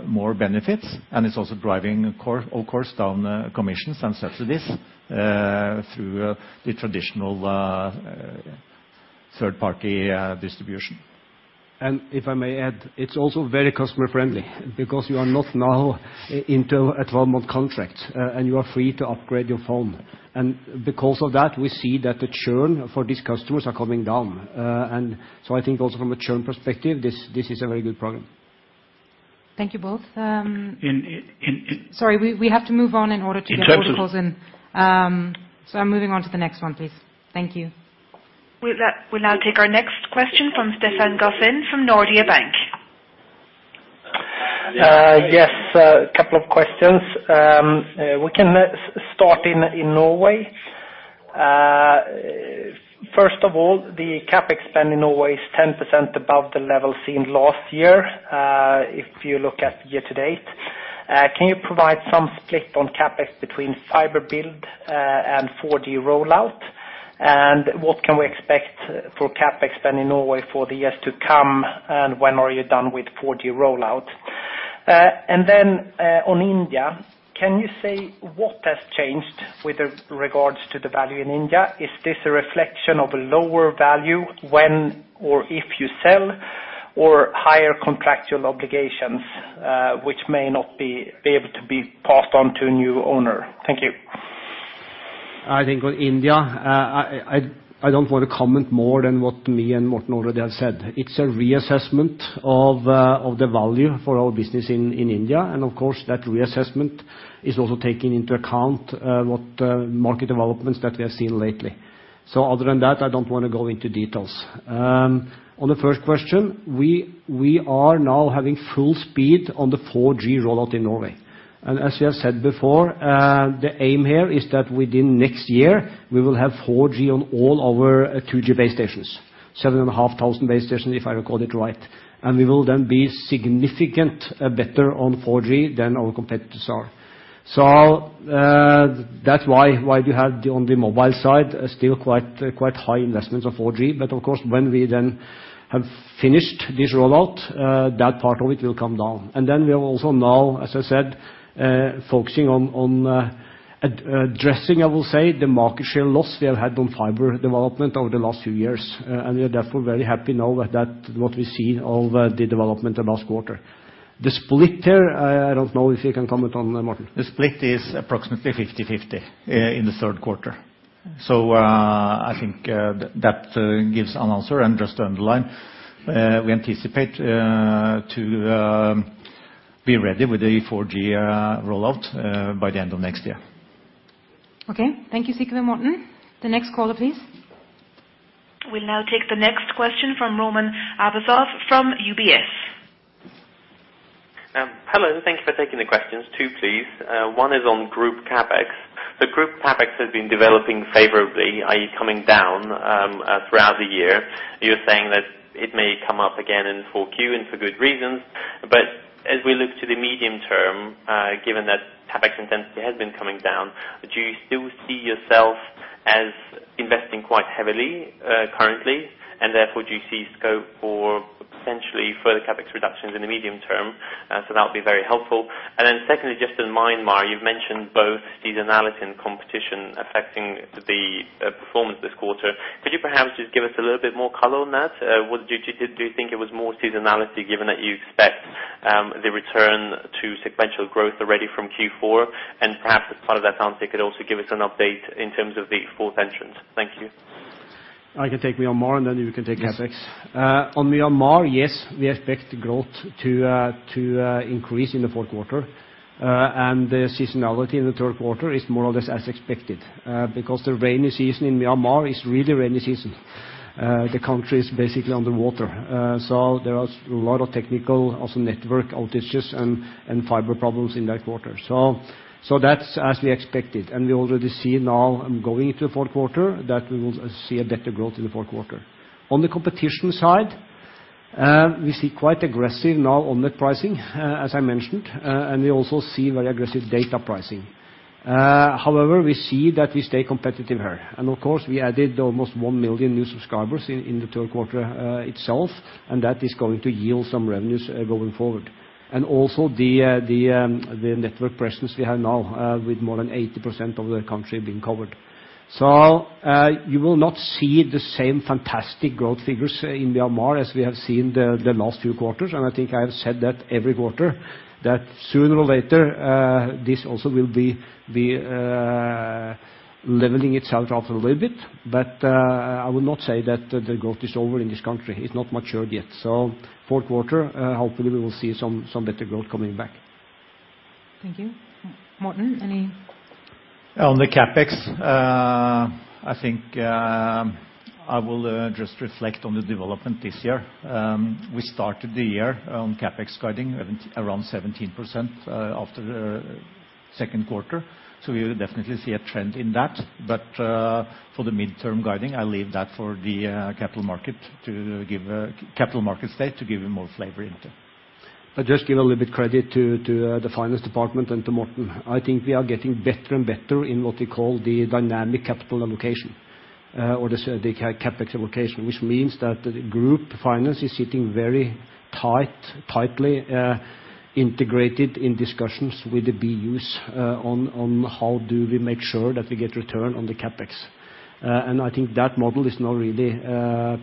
more benefits, and it's also driving of course down commissions and subsidies through the traditional third-party distribution. If I may add, it's also very customer friendly, because you are not now into a 12-month contract, and you are free to upgrade your phone. And because of that, we see that the churn for these customers are coming down. And so I think also from a churn perspective, this, this is a very good program. Thank you both. In, in, in- Sorry, we have to move on in order to get more calls in. In terms of- I'm moving on to the next one, please. Thank you. We'll now take our next question from Stefan Gauffin from Nordea Bank. Yes, a couple of questions. We can start in Norway. First of all, the CapEx spend in Norway is 10% above the level seen last year, if you look at year to date. Can you provide some split on CapEx between fiber build and 4G rollout? And what can we expect for CapEx spend in Norway for the years to come, and when are you done with 4G rollout? And then, on India, can you say what has changed with regards to the value in India? Is this a reflection of a lower value when or if you sell, or higher contractual obligations, which may not be able to be passed on to a new owner? Thank you. I think on India, I don't want to comment more than what me and Morten already have said. It's a reassessment of the value for our business in India, and of course, that reassessment is also taking into account what market developments that we have seen lately. So other than that, I don't want to go into details. On the first question, we are now having full speed on the 4G rollout in Norway. And as you have said before, the aim here is that within next year, we will have 4G on all our 2G base stations, 7,500 base stations, if I recall it right. And we will then be significant better on 4G than our competitors are. So, that's why you have on the mobile side, still quite high investments on 4G. But of course, when we then have finished this rollout, that part of it will come down. And then we are also now, as I said, focusing on addressing, I will say, the market share loss we have had on fiber development over the last few years. And we are therefore very happy now with what we see over the development of last quarter. The split here, I don't know if you can comment on, Morten? The split is approximately 50/50 in the third quarter. So, I think that gives an answer. And just to underline, we anticipate to be ready with the 4G rollout by the end of next year. Okay. Thank you, Sigve and Morten. The next caller, please. We'll now take the next question from Roman Arbuzov from UBS. Hello, and thank you for taking the questions. Two, please. One is on group CapEx. The group CapEx has been developing favorably, i.e., coming down throughout the year. You're saying that it may come up again in 4Q, and for good reasons. But as we look to the medium term, given that CapEx intensity has been coming down, do you still see yourself as investing quite heavily currently? And therefore, do you see scope for potentially further CapEx reductions in the medium term? So that would be very helpful. And then secondly, just on Myanmar, you've mentioned both seasonality and competition affecting the performance this quarter. Could you perhaps just give us a little bit more color on that? What do you think it was more seasonality, given that you expect the return to sequential growth already from Q4? And perhaps as part of that answer, you could also give us an update in terms of the fourth entrance. Thank you. I can take Myanmar, and then you can take CapEx. Yes. On Myanmar, yes, we expect growth to increase in the fourth quarter. And the seasonality in the third quarter is more or less as expected, because the rainy season in Myanmar is really rainy season. The country is basically under water. So there was a lot of technical, also network outages and fiber problems in that quarter. So that's as we expected, and we already see now, going into the fourth quarter, that we will see a better growth in the fourth quarter. On the competition side, we see quite aggressive now on the pricing, as I mentioned, and we also see very aggressive data pricing. However, we see that we stay competitive here. And of course, we added almost 1 million new subscribers in the third quarter itself, and that is going to yield some revenues going forward. And also, the network presence we have now with more than 80% of the country being covered. So, you will not see the same fantastic growth figures in Myanmar as we have seen the last few quarters. And I think I have said that every quarter, that sooner or later this also will be leveling itself out a little bit. But, I would not say that the growth is over in this country. It's not matured yet. So fourth quarter, hopefully we will see some better growth coming back. Thank you. Morten, any? On the CapEx, I think I will just reflect on the development this year. We started the year on CapEx guiding at around 17%, after the second quarter, so we will definitely see a trend in that. But, for the midterm guiding, I'll leave that for the capital market to give, capital market state, to give you more flavor into. I just give a little bit credit to the finance department and to Morten. I think we are getting better and better in what we call the dynamic capital allocation or the CapEx allocation. Which means that the group finance is sitting very tightly integrated in discussions with the BUs on how do we make sure that we get return on the CapEx. And I think that model is now really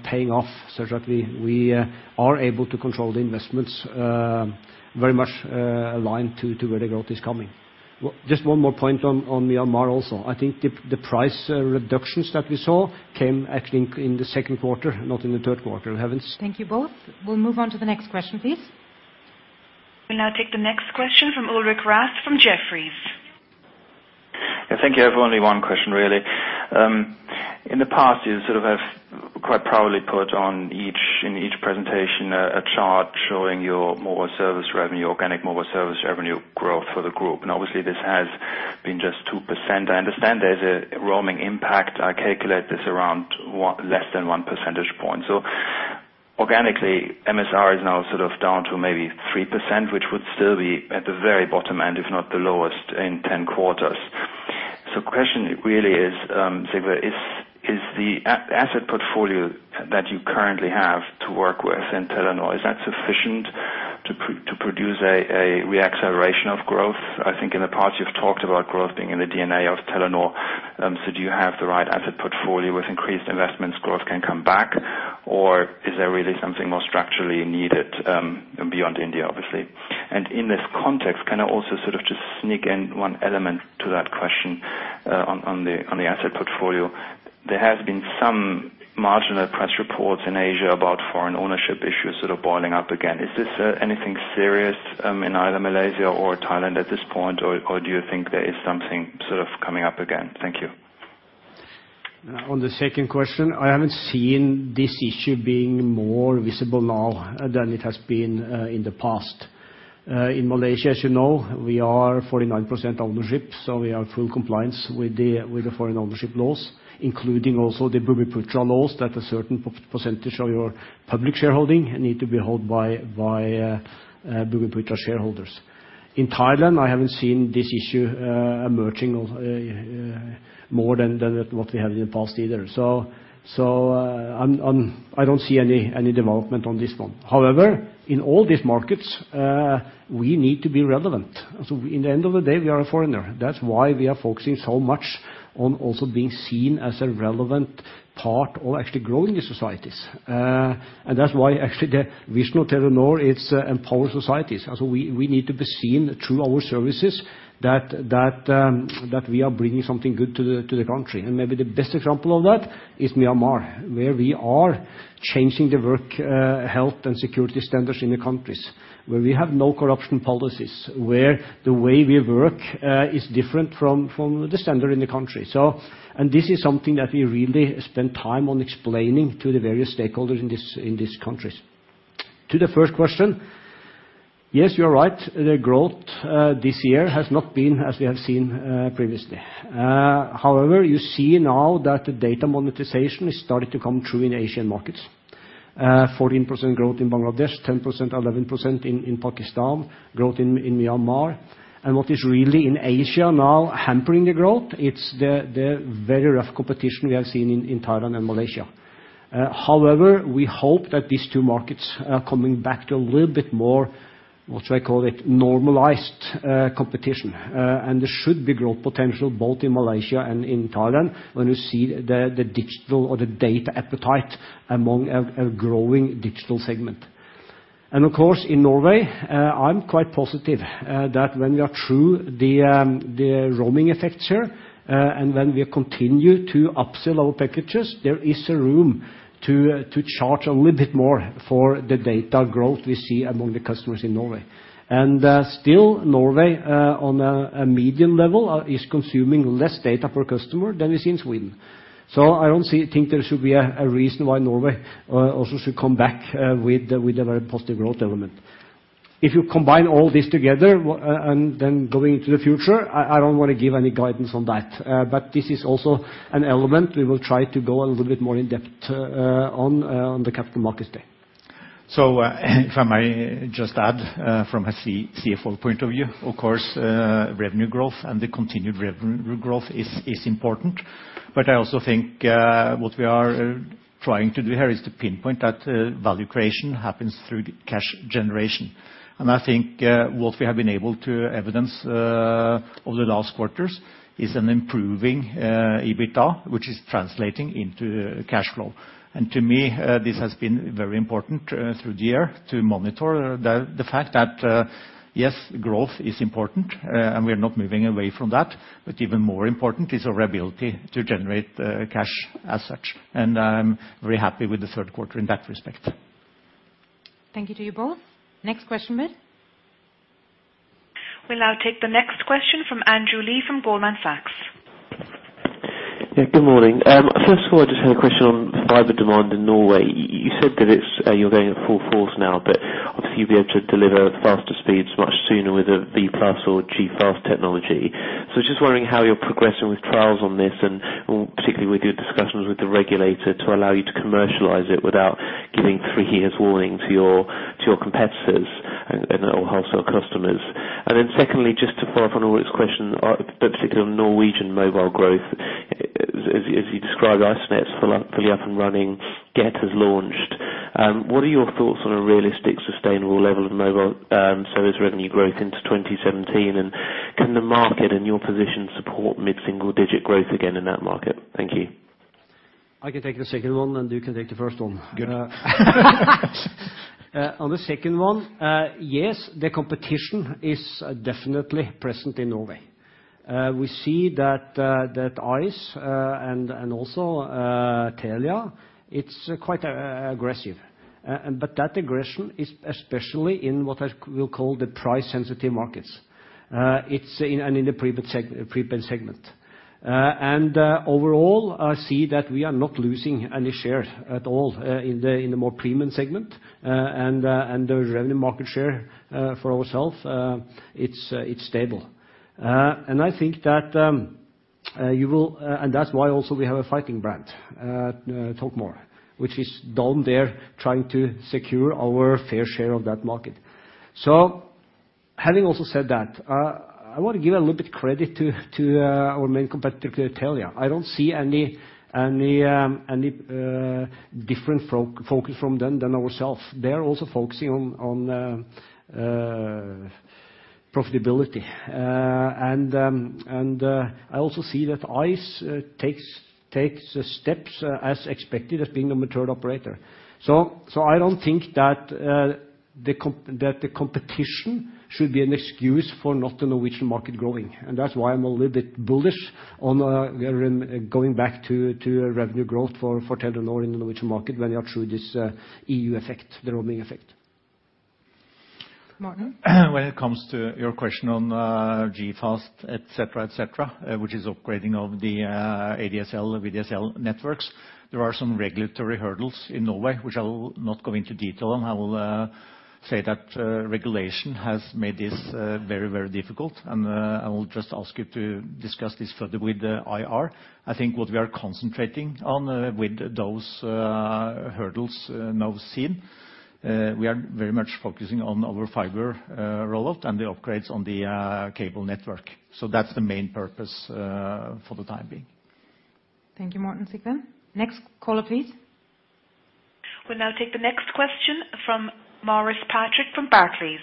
paying off, such that we are able to control the investments very much aligned to where the growth is coming. Just one more point on Myanmar also. I think the price reductions that we saw came, I think, in the second quarter, not in the third quarter. I haven't seen- Thank you both. We'll move on to the next question, please. We now take the next question from Ulrich Rathe from Jefferies. Yeah, thank you. I have only one question, really. In the past, you sort of have quite proudly put on each, in each presentation a chart showing your mobile service revenue, organic mobile service revenue growth for the group. And obviously, this has been just 2%. I understand there's a roaming impact. I calculate this around or less than 1 percentage point. So organically, MSR is now sort of down to maybe 3%, which would still be at the very bottom end, if not the lowest, in 10 quarters. So question really is, Sigve, is the asset portfolio that you currently have to work with in Telenor, is that sufficient to produce a re-acceleration of growth? I think in the past, you've talked about growth being in the DNA of Telenor. So do you have the right asset portfolio with increased investments, growth can come back, or is there really something more structurally needed, beyond India, obviously? And in this context, can I also sort of just sneak in one element to that question, on the asset portfolio? There has been some marginal press reports in Asia about foreign ownership issues sort of boiling up again. Is this anything serious, in either Malaysia or Thailand at this point, or do you think there is something sort of coming up again? Thank you. On the second question, I haven't seen this issue being more visible now than it has been in the past. In Malaysia, as you know, we are 49% ownership, so we are in full compliance with the foreign ownership laws, including also the Bumiputra laws, that a certain percentage of your public shareholding need to be held by Bumiputra shareholders. In Thailand, I haven't seen this issue emerging more than what we had in the past either. So, I don't see any development on this one. However, in all these markets, we need to be relevant. So in the end of the day, we are a foreigner. That's why we are focusing so much on also being seen as a relevant part or actually growing the societies. And that's why, actually, the vision of Telenor is empower societies. And so we need to be seen through our services that we are bringing something good to the country. And maybe the best example of that is Myanmar, where we are changing the work, health, and security standards in the countries. Where we have no corruption policies, where the way we work is different from the standard in the country. So... And this is something that we really spend time on explaining to the various stakeholders in this, in these countries. To the first question-... Yes, you are right. The growth this year has not been as we have seen previously. However, you see now that the data monetization is starting to come through in Asian markets. 14% growth in Bangladesh, 10%, 11% in Pakistan, growth in Myanmar. And what is really in Asia now hampering the growth, it's the very rough competition we have seen in Thailand and Malaysia. However, we hope that these two markets are coming back to a little bit more, what should I call it? Normalized competition. And there should be growth potential both in Malaysia and in Thailand, when you see the digital or the data appetite among a growing digital segment. And of course, in Norway, I'm quite positive that when we are through the roaming effect here, and when we continue to upsell our packages, there is a room to charge a little bit more for the data growth we see among the customers in Norway. Still, Norway, on a medium level, is consuming less data per customer than we see in Sweden. So I don't think there should be a reason why Norway also should come back with a very positive growth element. If you combine all this together and then going into the future, I don't want to give any guidance on that. But this is also an element we will try to go a little bit more in-depth on the Capital Markets Day. So, if I may just add, from a CFO point of view, of course, revenue growth and the continued revenue growth is important. But I also think, what we are trying to do here is to pinpoint that, value creation happens through the cash generation. And I think, what we have been able to evidence, over the last quarters is an improving, EBITDA, which is translating into cash flow. And to me, this has been very important, through the year to monitor the fact that, yes, growth is important, and we are not moving away from that, but even more important is our ability to generate, cash as such. And I'm very happy with the third quarter in that respect. Thank you to you both. Next question, please. We'll now take the next question from Andrew Lee from Goldman Sachs. Yeah, good morning. First of all, I just had a question on fiber demand in Norway. You said that it's. You're going at full force now, but obviously, you'll be able to deliver faster speeds much sooner with a Vplus or G.fast technology. So just wondering how you're progressing with trials on this, and particularly with your discussions with the regulator to allow you to commercialize it without giving three years warning to your competitors and all wholesale customers. And then secondly, just to follow up on Ulrich's, but particularly on Norwegian mobile growth, as you described, Ice.net is fully up and running, Get has launched. What are your thoughts on a realistic, sustainable level of mobile service revenue growth into 2017? And can the market and your position support mid-single digit growth again in that market? Thank you. I can take the second one, and you can take the first one. Good. On the second one, yes, the competition is definitely present in Norway. We see that Ice and also Telia. It's quite aggressive. But that aggression is especially in what I will call the price-sensitive markets. It's in the prepaid segment. And overall, I see that we are not losing any shares at all in the more premium segment, and the revenue market share for ourselves, it's stable. And I think that and that's why also we have a fighting brand, Talkmore, which is down there trying to secure our fair share of that market. So having also said that, I want to give a little bit credit to our main competitor, Telia. I don't see any different focus from them than ourselves. They are also focusing on profitability. And I also see that Ice takes steps as expected, as being a mature operator. I don't think that the competition should be an excuse for not the Norwegian market growing, and that's why I'm a little bit bullish on we are going back to revenue growth for Telenor in the Norwegian market when we are through this EU effect, the roaming effect. Morten? When it comes to your question on G.fast, et cetera, et cetera, which is upgrading of the ADSL, VDSL networks, there are some regulatory hurdles in Norway, which I will not go into detail on. I will say that regulation has made this very, very difficult, and I will just ask you to discuss this further with the IR. I think what we are concentrating on, with those hurdles now seen, we are very much focusing on our fiber rollout and the upgrades on the cable network. So that's the main purpose for the time being. Thank you, Morten Sørby. Next caller, please. We'll now take the next question from Maurice Patrick from Barclays.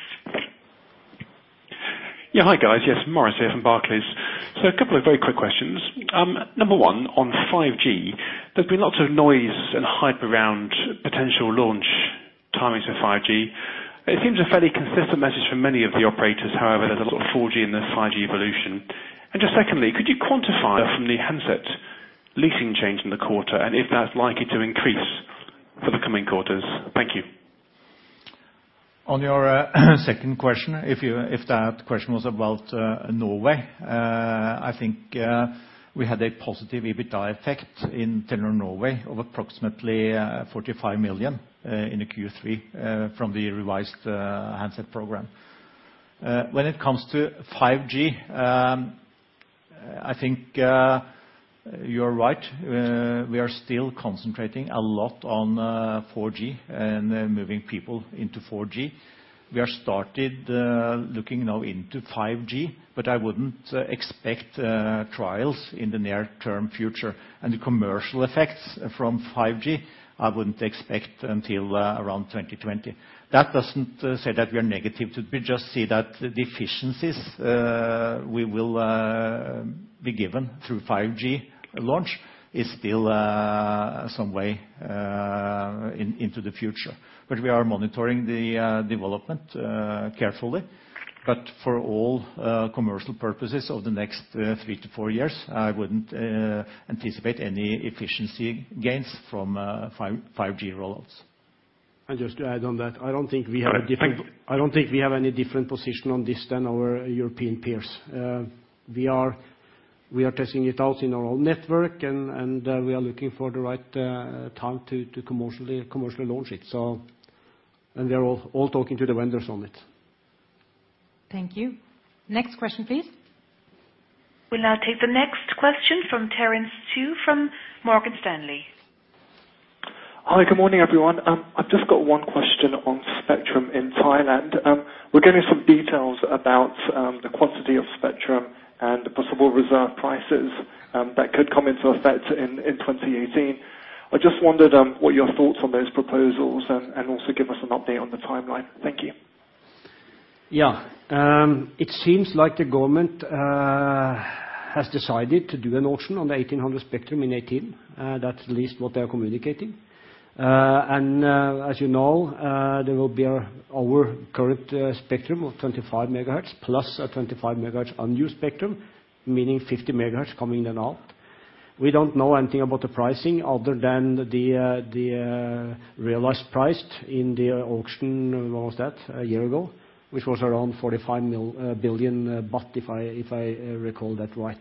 Yeah, hi, guys. Yes, Maurice here from Barclays. So a couple of very quick questions. Number one, on 5G, there's been lots of noise and hype around potential launch timings for 5G. It seems a fairly consistent message from many of the operators. However, there's a lot of 4G in the 5G evolution. And just secondly, could you quantify from the handset leasing change in the quarter, and if that's likely to increase for the coming quarters? Thank you. On your second question, if that question was about Norway, I think we had a positive EBITDA effect in Telenor Norway of approximately 45 million in Q3 from the revised handset program. When it comes to 5G, I think you are right. We are still concentrating a lot on 4G and then moving people into 4G. We are started looking now into 5G, but I wouldn't expect trials in the near term future. And the commercial effects from 5G, I wouldn't expect until around 2020. That doesn't say that we are negative, we just see that the efficiencies we will be given through 5G launch is still some way into the future. But we are monitoring the development carefully. But for all commercial purposes over the next 3-4 years, I wouldn't anticipate any efficiency gains from 5G rollouts. And just to add on that, I don't think we have any different position on this than our European peers. We are testing it out in our own network, and we are looking for the right time to commercially launch it, so... And we are all talking to the vendors on it. Thank you. Next question, please. We'll now take the next question from Terence Tsui from Morgan Stanley. Hi, good morning, everyone. I've just got one question on spectrum in Thailand. We're getting some details about the quantity of spectrum and the possible reserve prices that could come into effect in 2018. I just wondered what your thoughts on those proposals are, and also give us an update on the timeline. Thank you. Yeah. It seems like the government has decided to do an auction on the 1800 spectrum in 2018. That's at least what they are communicating. And, as you know, there will be our current spectrum of 25 MHz, plus a 25 MHz unused spectrum, meaning 50 MHz coming in and out. We don't know anything about the pricing other than the realized price in the auction. When was that? A year ago, which was around 45 billion baht, if I recall that right.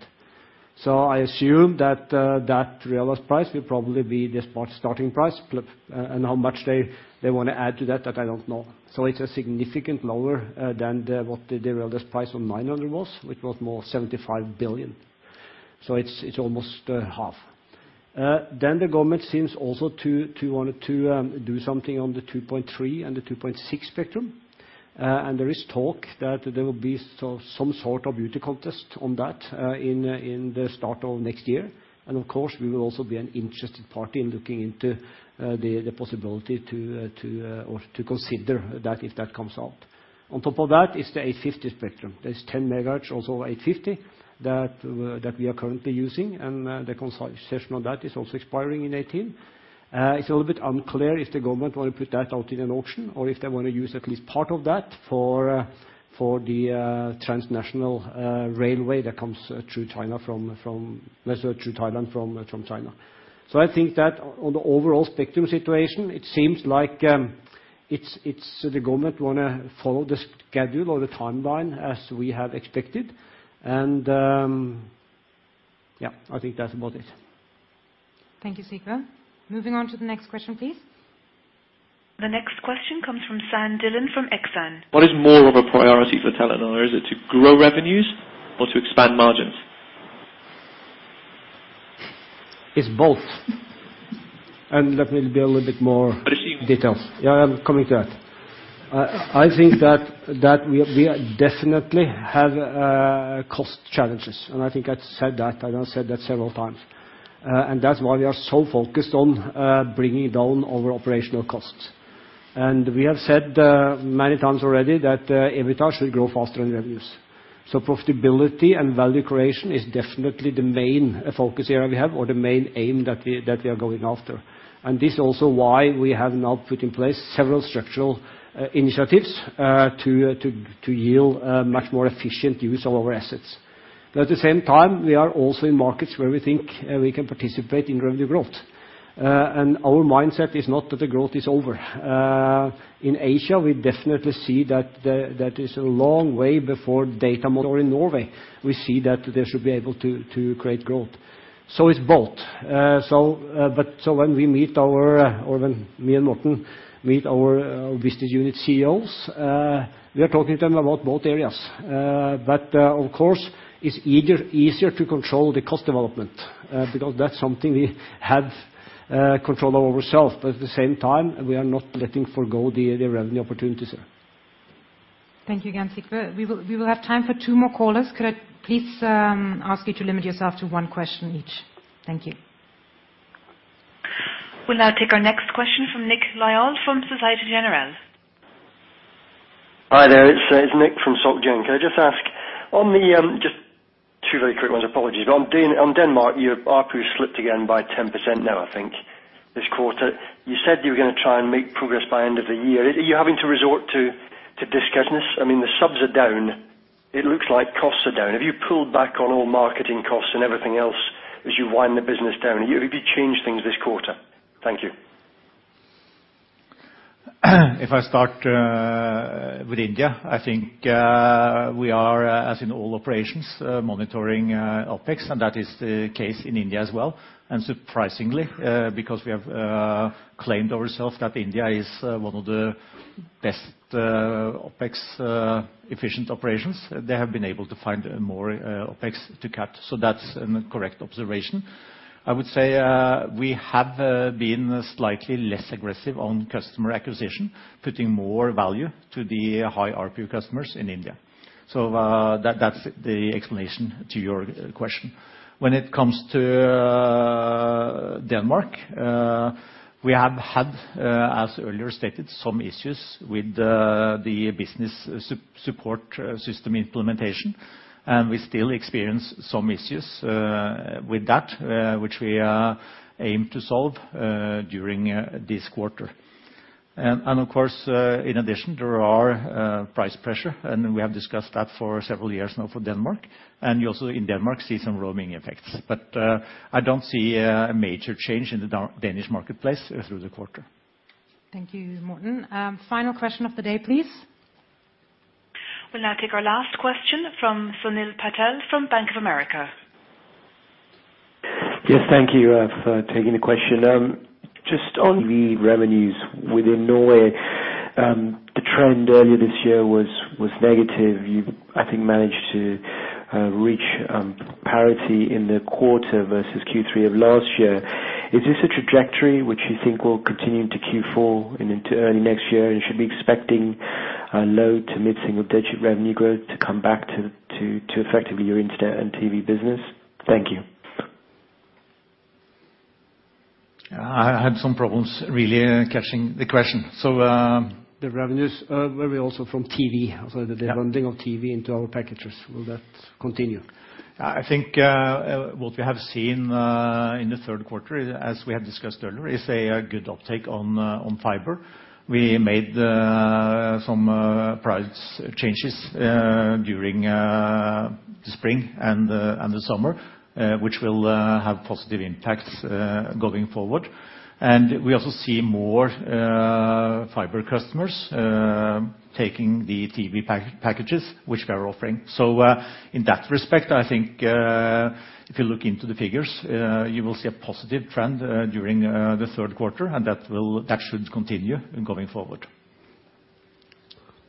So I assume that realized price will probably be the spot starting price. But, and how much they wanna add to that, that I don't know. So it's a significant lower than the what the realized price on 900 was, which was more 75 billion. So it's almost half. Then the government seems also to to want to do something on the 2.3 and the 2.6 spectrum. And there is talk that there will be some sort of beauty contest on that in in the start of next year. And of course, we will also be an interested party in looking into the the possibility to to or to consider that, if that comes out. On top of that is the 850 spectrum. There's 10 MHz, also 850, that that we are currently using, and the concession on that is also expiring in 2018. It's a little bit unclear if the government want to put that out in an auction, or if they want to use at least part of that for the transnational railway that comes through Thailand from China. So I think that on the overall spectrum situation, it seems like it's the government wanna follow the schedule or the timeline as we have expected. And yeah, I think that's about it. Thank you, Sigve. Moving on to the next question, please. The next question comes from San Dhillon from Exane. What is more of a priority for Telenor? Is it to grow revenues or to expand margins? It's both. And let me be a little bit more- Receive details. Yeah, I'm coming to that. I think that we definitely have cost challenges, and I think I've said that, and I've said that several times. And that's why we are so focused on bringing down our operational costs. And we have said many times already that EBITDA should grow faster than revenues. So profitability and value creation is definitely the main focus area we have, or the main aim that we are going after. And this is also why we have now put in place several structural initiatives to yield a much more efficient use of our assets. But at the same time, we are also in markets where we think we can participate in revenue growth. And our mindset is not that the growth is over. In Asia, we definitely see that that is a long way before data model or in Norway. We see that they should be able to create growth. So it's both. But when we meet our, or when me and Morten meet our business unit CEOs, we are talking to them about both areas. But, of course, it's easier to control the cost development, because that's something we have control over ourself. But at the same time, we are not letting forgo the revenue opportunities there. Thank you again, Sigve. We will have time for two more callers. Could I please ask you to limit yourself to one question each? Thank you. We'll now take our next question from Nick Lyall from Société Générale. Hi there, it's Nick from Soc Gen. Can I just ask, on the just two very quick ones, apologies. On Denmark, your ARPU slipped again by 10% now, I think, this quarter. You said you were gonna try and make progress by end of the year. Are you having to resort to, to discuss this? I mean, the subs are down. It looks like costs are down. Have you pulled back on all marketing costs and everything else as you wind the business down? Have you, have you changed things this quarter? Thank you. ... If I start with India, I think we are, as in all operations, monitoring OpEx, and that is the case in India as well. And surprisingly, because we have claimed ourselves that India is one of the best OpEx efficient operations, they have been able to find more OpEx to cut. So that's a correct observation. I would say we have been slightly less aggressive on customer acquisition, putting more value to the high ARPU customers in India. So that that's the explanation to your question. When it comes to Denmark, we have had, as earlier stated, some issues with the business support system implementation, and we still experience some issues with that which we aim to solve during this quarter. Of course, in addition, there are price pressure, and we have discussed that for several years now for Denmark, and you also, in Denmark, see some roaming effects. But, I don't see a major change in the Danish marketplace through the quarter. Thank you, Morten. Final question of the day, please. We'll now take our last question from Sunil Patel from Bank of America. Yes, thank you for taking the question. Just on the revenues within Norway, the trend earlier this year was negative. You, I think, managed to reach parity in the quarter versus Q3 of last year. Is this a trajectory which you think will continue into Q4 and into early next year, and should be expecting low- to mid-single-digit revenue growth to come back to effectively your internet and TV business? Thank you. I had some problems really catching the question. So, The revenues, were we also from TV, also the bundling of TV into our packages, will that continue? I think what we have seen in the third quarter, as we had discussed earlier, is a good uptake on fiber. We made some price changes during the spring and the summer, which will have positive impacts going forward. We also see more fiber customers taking the TV packages which we are offering. So in that respect, I think if you look into the figures, you will see a positive trend during the third quarter, and that should continue going forward.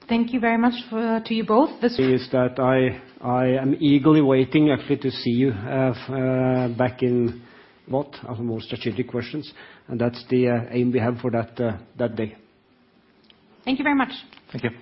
Thank you very much for, to you both. This- I am eagerly waiting, actually, to see you back in what? Our more strategic questions, and that's the aim we have for that day. Thank you very much. Thank you.